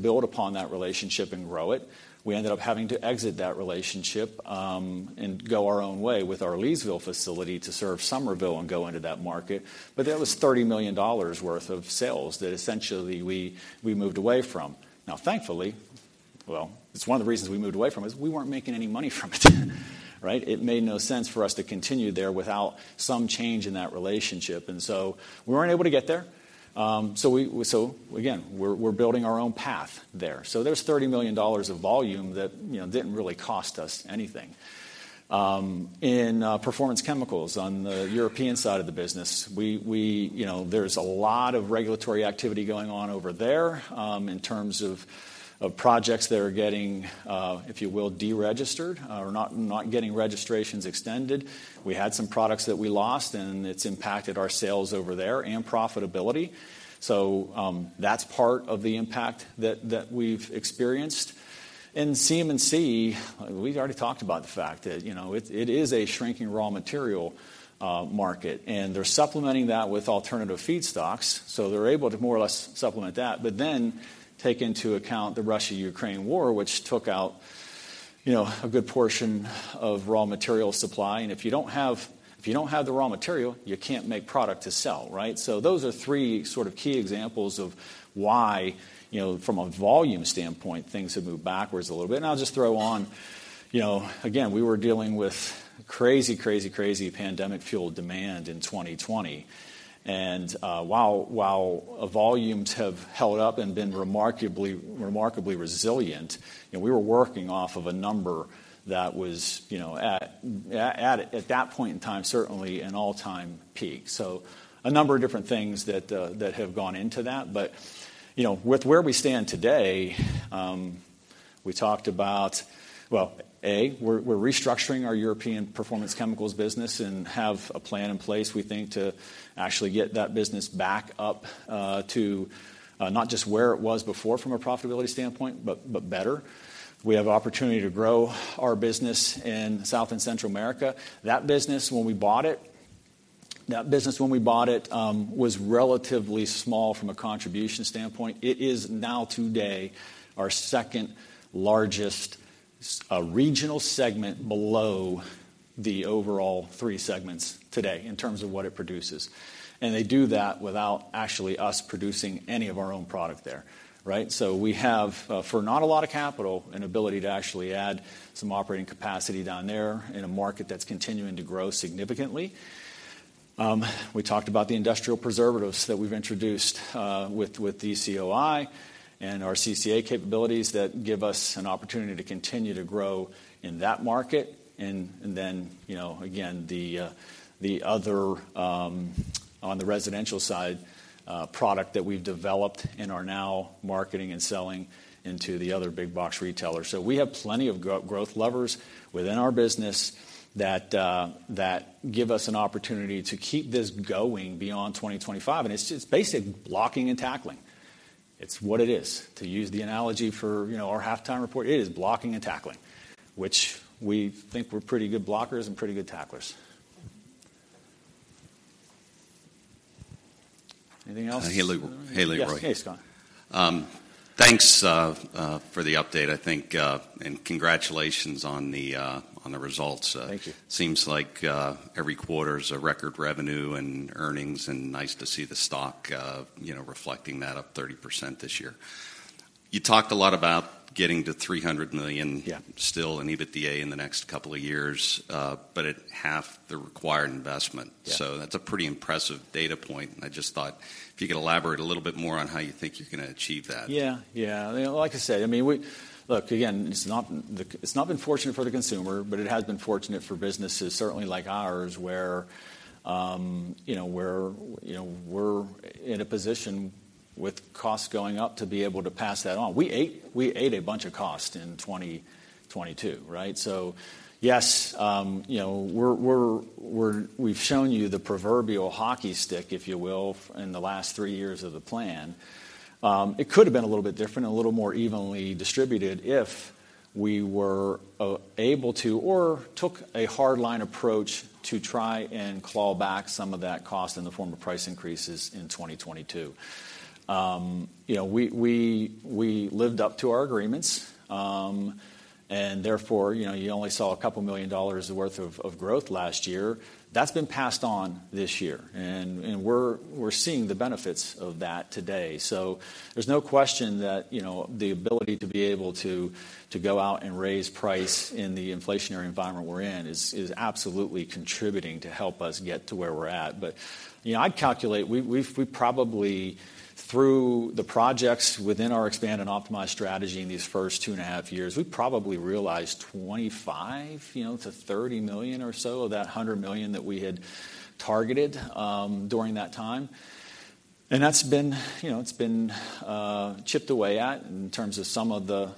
Speaker 1: build upon that relationship and grow it. We ended up having to exit that relationship, and go our own way with our Leesville facility to serve Somerville and go into that market, but that was $30 million worth of sales that essentially we moved away from. Now, thankfully, well, it's one of the reasons we moved away from it, is we weren't making any money from it, right? It made no sense for us to continue there without some change in that relationship, and so we weren't able to get there. So again, we're building our own path there. So there's $30 million of volume that, you know, didn't really cost us anything. In Performance Chemicals, on the European side of the business, you know, there's a lot of regulatory activity going on over there, in terms of projects that are getting, if you will, deregistered, or not getting registrations extended. We had some products that we lost, and it's impacted our sales over there and profitability. So, that's part of the impact that we've experienced. In CM&C, we've already talked about the fact that, you know, it is a shrinking raw material market, and they're supplementing that with alternative feedstocks, so they're able to more or less supplement that. But then, take into account the Russia-Ukraine war, which took out, you know, a good portion of raw material supply, and if you don't have the raw material, you can't make product to sell, right? So those are three sort of key examples of why, you know, from a volume standpoint, things have moved backwards a little bit. And I'll just throw on, you know, again, we were dealing with crazy, crazy, crazy pandemic-fueled demand in 2020. And, while, while volumes have held up and been remarkably, remarkably resilient, you know, we were working off of a number that was, you know, at, at, at that point in time, certainly an all-time peak. So a number of different things that, that have gone into that. But, you know, with where we stand today, we talked about... Well, A, we're, we're restructuring our European Performance Chemicals business and have a plan in place, we think, to actually get that business back up, to, to, not just where it was before from a profitability standpoint, but, but better. We have opportunity to grow our business in South and Central America. That business, when we bought it, was relatively small from a contribution standpoint. It is now today, our second largest, regional segment below the overall three segments today, in terms of what it produces. And they do that without actually us producing any of our own product there, right? So we have, for not a lot of capital, an ability to actually add some operating capacity down there in a market that's continuing to grow significantly. We talked about the industrial preservatives that we've introduced, with DCOI and our CCA capabilities that give us an opportunity to continue to grow in that market. And then, you know, again, the other on the residential side product that we've developed and are now marketing and selling into the other big box retailers. So we have plenty of growth levers within our business that give us an opportunity to keep this going beyond 2025. And it's just basic blocking and tackling. It's what it is. To use the analogy for, you know, our halftime report, it is blocking and tackling, which we think we're pretty good blockers and pretty good tacklers. Anything else?
Speaker 11: Hey, Lee. Hey, Leroy.
Speaker 1: Yes. Hey, Scott.
Speaker 11: Thanks for the update, I think, and congratulations on the results.
Speaker 1: Thank you.
Speaker 11: Seems like, every quarter is a record revenue and earnings, and nice to see the stock, you know, reflecting that, up 30% this year. You talked a lot about getting to $300 million-
Speaker 1: Yeah...
Speaker 11: still in EBITDA in the next couple of years, but at half the required investment.
Speaker 1: Yeah.
Speaker 11: That's a pretty impressive data point, and I just thought if you could elaborate a little bit more on how you think you're gonna achieve that.
Speaker 1: Yeah, yeah. Like I said, I mean, we—look, again, it's not the. It's not been fortunate for the consumer, but it has been fortunate for businesses, certainly like ours, where, you know, we're in a position with costs going up, to be able to pass that on. We ate a bunch of costs in 2022, right? So yes, you know, we're—we've shown you the proverbial hockey stick, if you will, in the last three years of the plan. It could have been a little bit different and a little more evenly distributed if we were able to or took a hard-line approach to try and claw back some of that cost in the form of price increases in 2022. You know, we lived up to our agreements, and therefore, you know, you only saw a couple million dollars worth of growth last year. That's been passed on this year, and we're seeing the benefits of that today. So there's no question that, you know, the ability to be able to go out and raise price in the inflationary environment we're in is absolutely contributing to help us get to where we're at. But, you know, I'd calculate, we've probably, through the projects within our Expand and Optimize strategy in these first two and a half years, we've probably realized $25 million-$30 million or so of that $100 million that we had targeted, during that time. And that's been, you know, it's been chipped away at in terms of some of the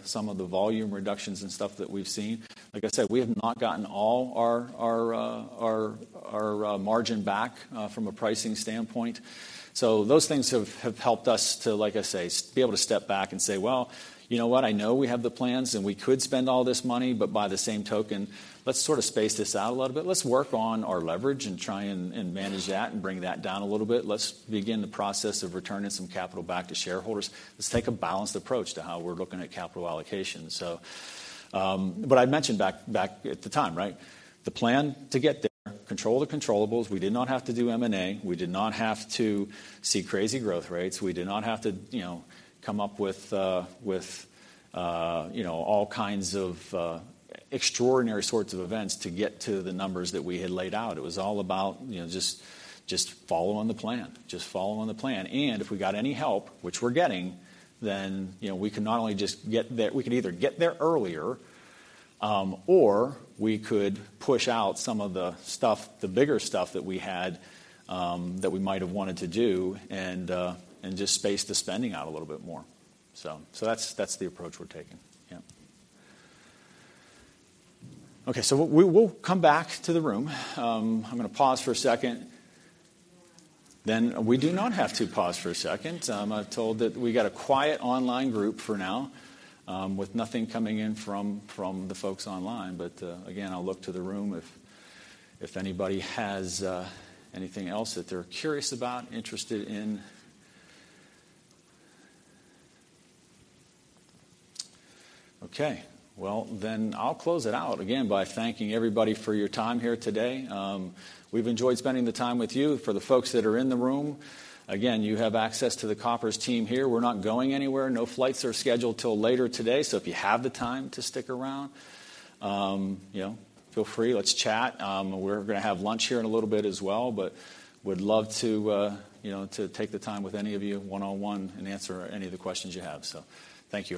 Speaker 1: volume reductions and stuff that we've seen. Like I said, we have not gotten all our margin back from a pricing standpoint. So those things have helped us to, like I say, be able to step back and say, "Well, you know what? I know we have the plans, and we could spend all this money, but by the same token, let's sort of space this out a little bit. Let's work on our leverage and try and manage that and bring that down a little bit. Let's begin the process of returning some capital back to shareholders. Let's take a balanced approach to how we're looking at capital allocation." So, but I mentioned back at the time, right? The plan to get there, control the controllables. We did not have to do M&A. We did not have to see crazy growth rates. We did not have to, you know, come up with, you know, all kinds of, extraordinary sorts of events to get to the numbers that we had laid out. It was all about, you know, just, just follow on the plan. Just follow on the plan. And if we got any help, which we're getting, then, you know, we could not only just get there... We could either get there earlier, or we could push out some of the stuff, the bigger stuff that we had, that we might have wanted to do, and, and just space the spending out a little bit more. So, so that's, that's the approach we're taking. Yeah. Okay, so we'll come back to the room. I'm gonna pause for a second. Then we do not have to pause for a second. I'm told that we got a quiet online group for now, with nothing coming in from the folks online. But again, I'll look to the room if anybody has anything else that they're curious about, interested in. Okay, well, then I'll close it out again by thanking everybody for your time here today. We've enjoyed spending the time with you. For the folks that are in the room, again, you have access to the Koppers team here. We're not going anywhere. No flights are scheduled till later today. So if you have the time to stick around, you know, feel free. Let's chat. We're gonna have lunch here in a little bit as well, but would love to, you know, to take the time with any of you one-on-one and answer any of the questions you have. So thank you.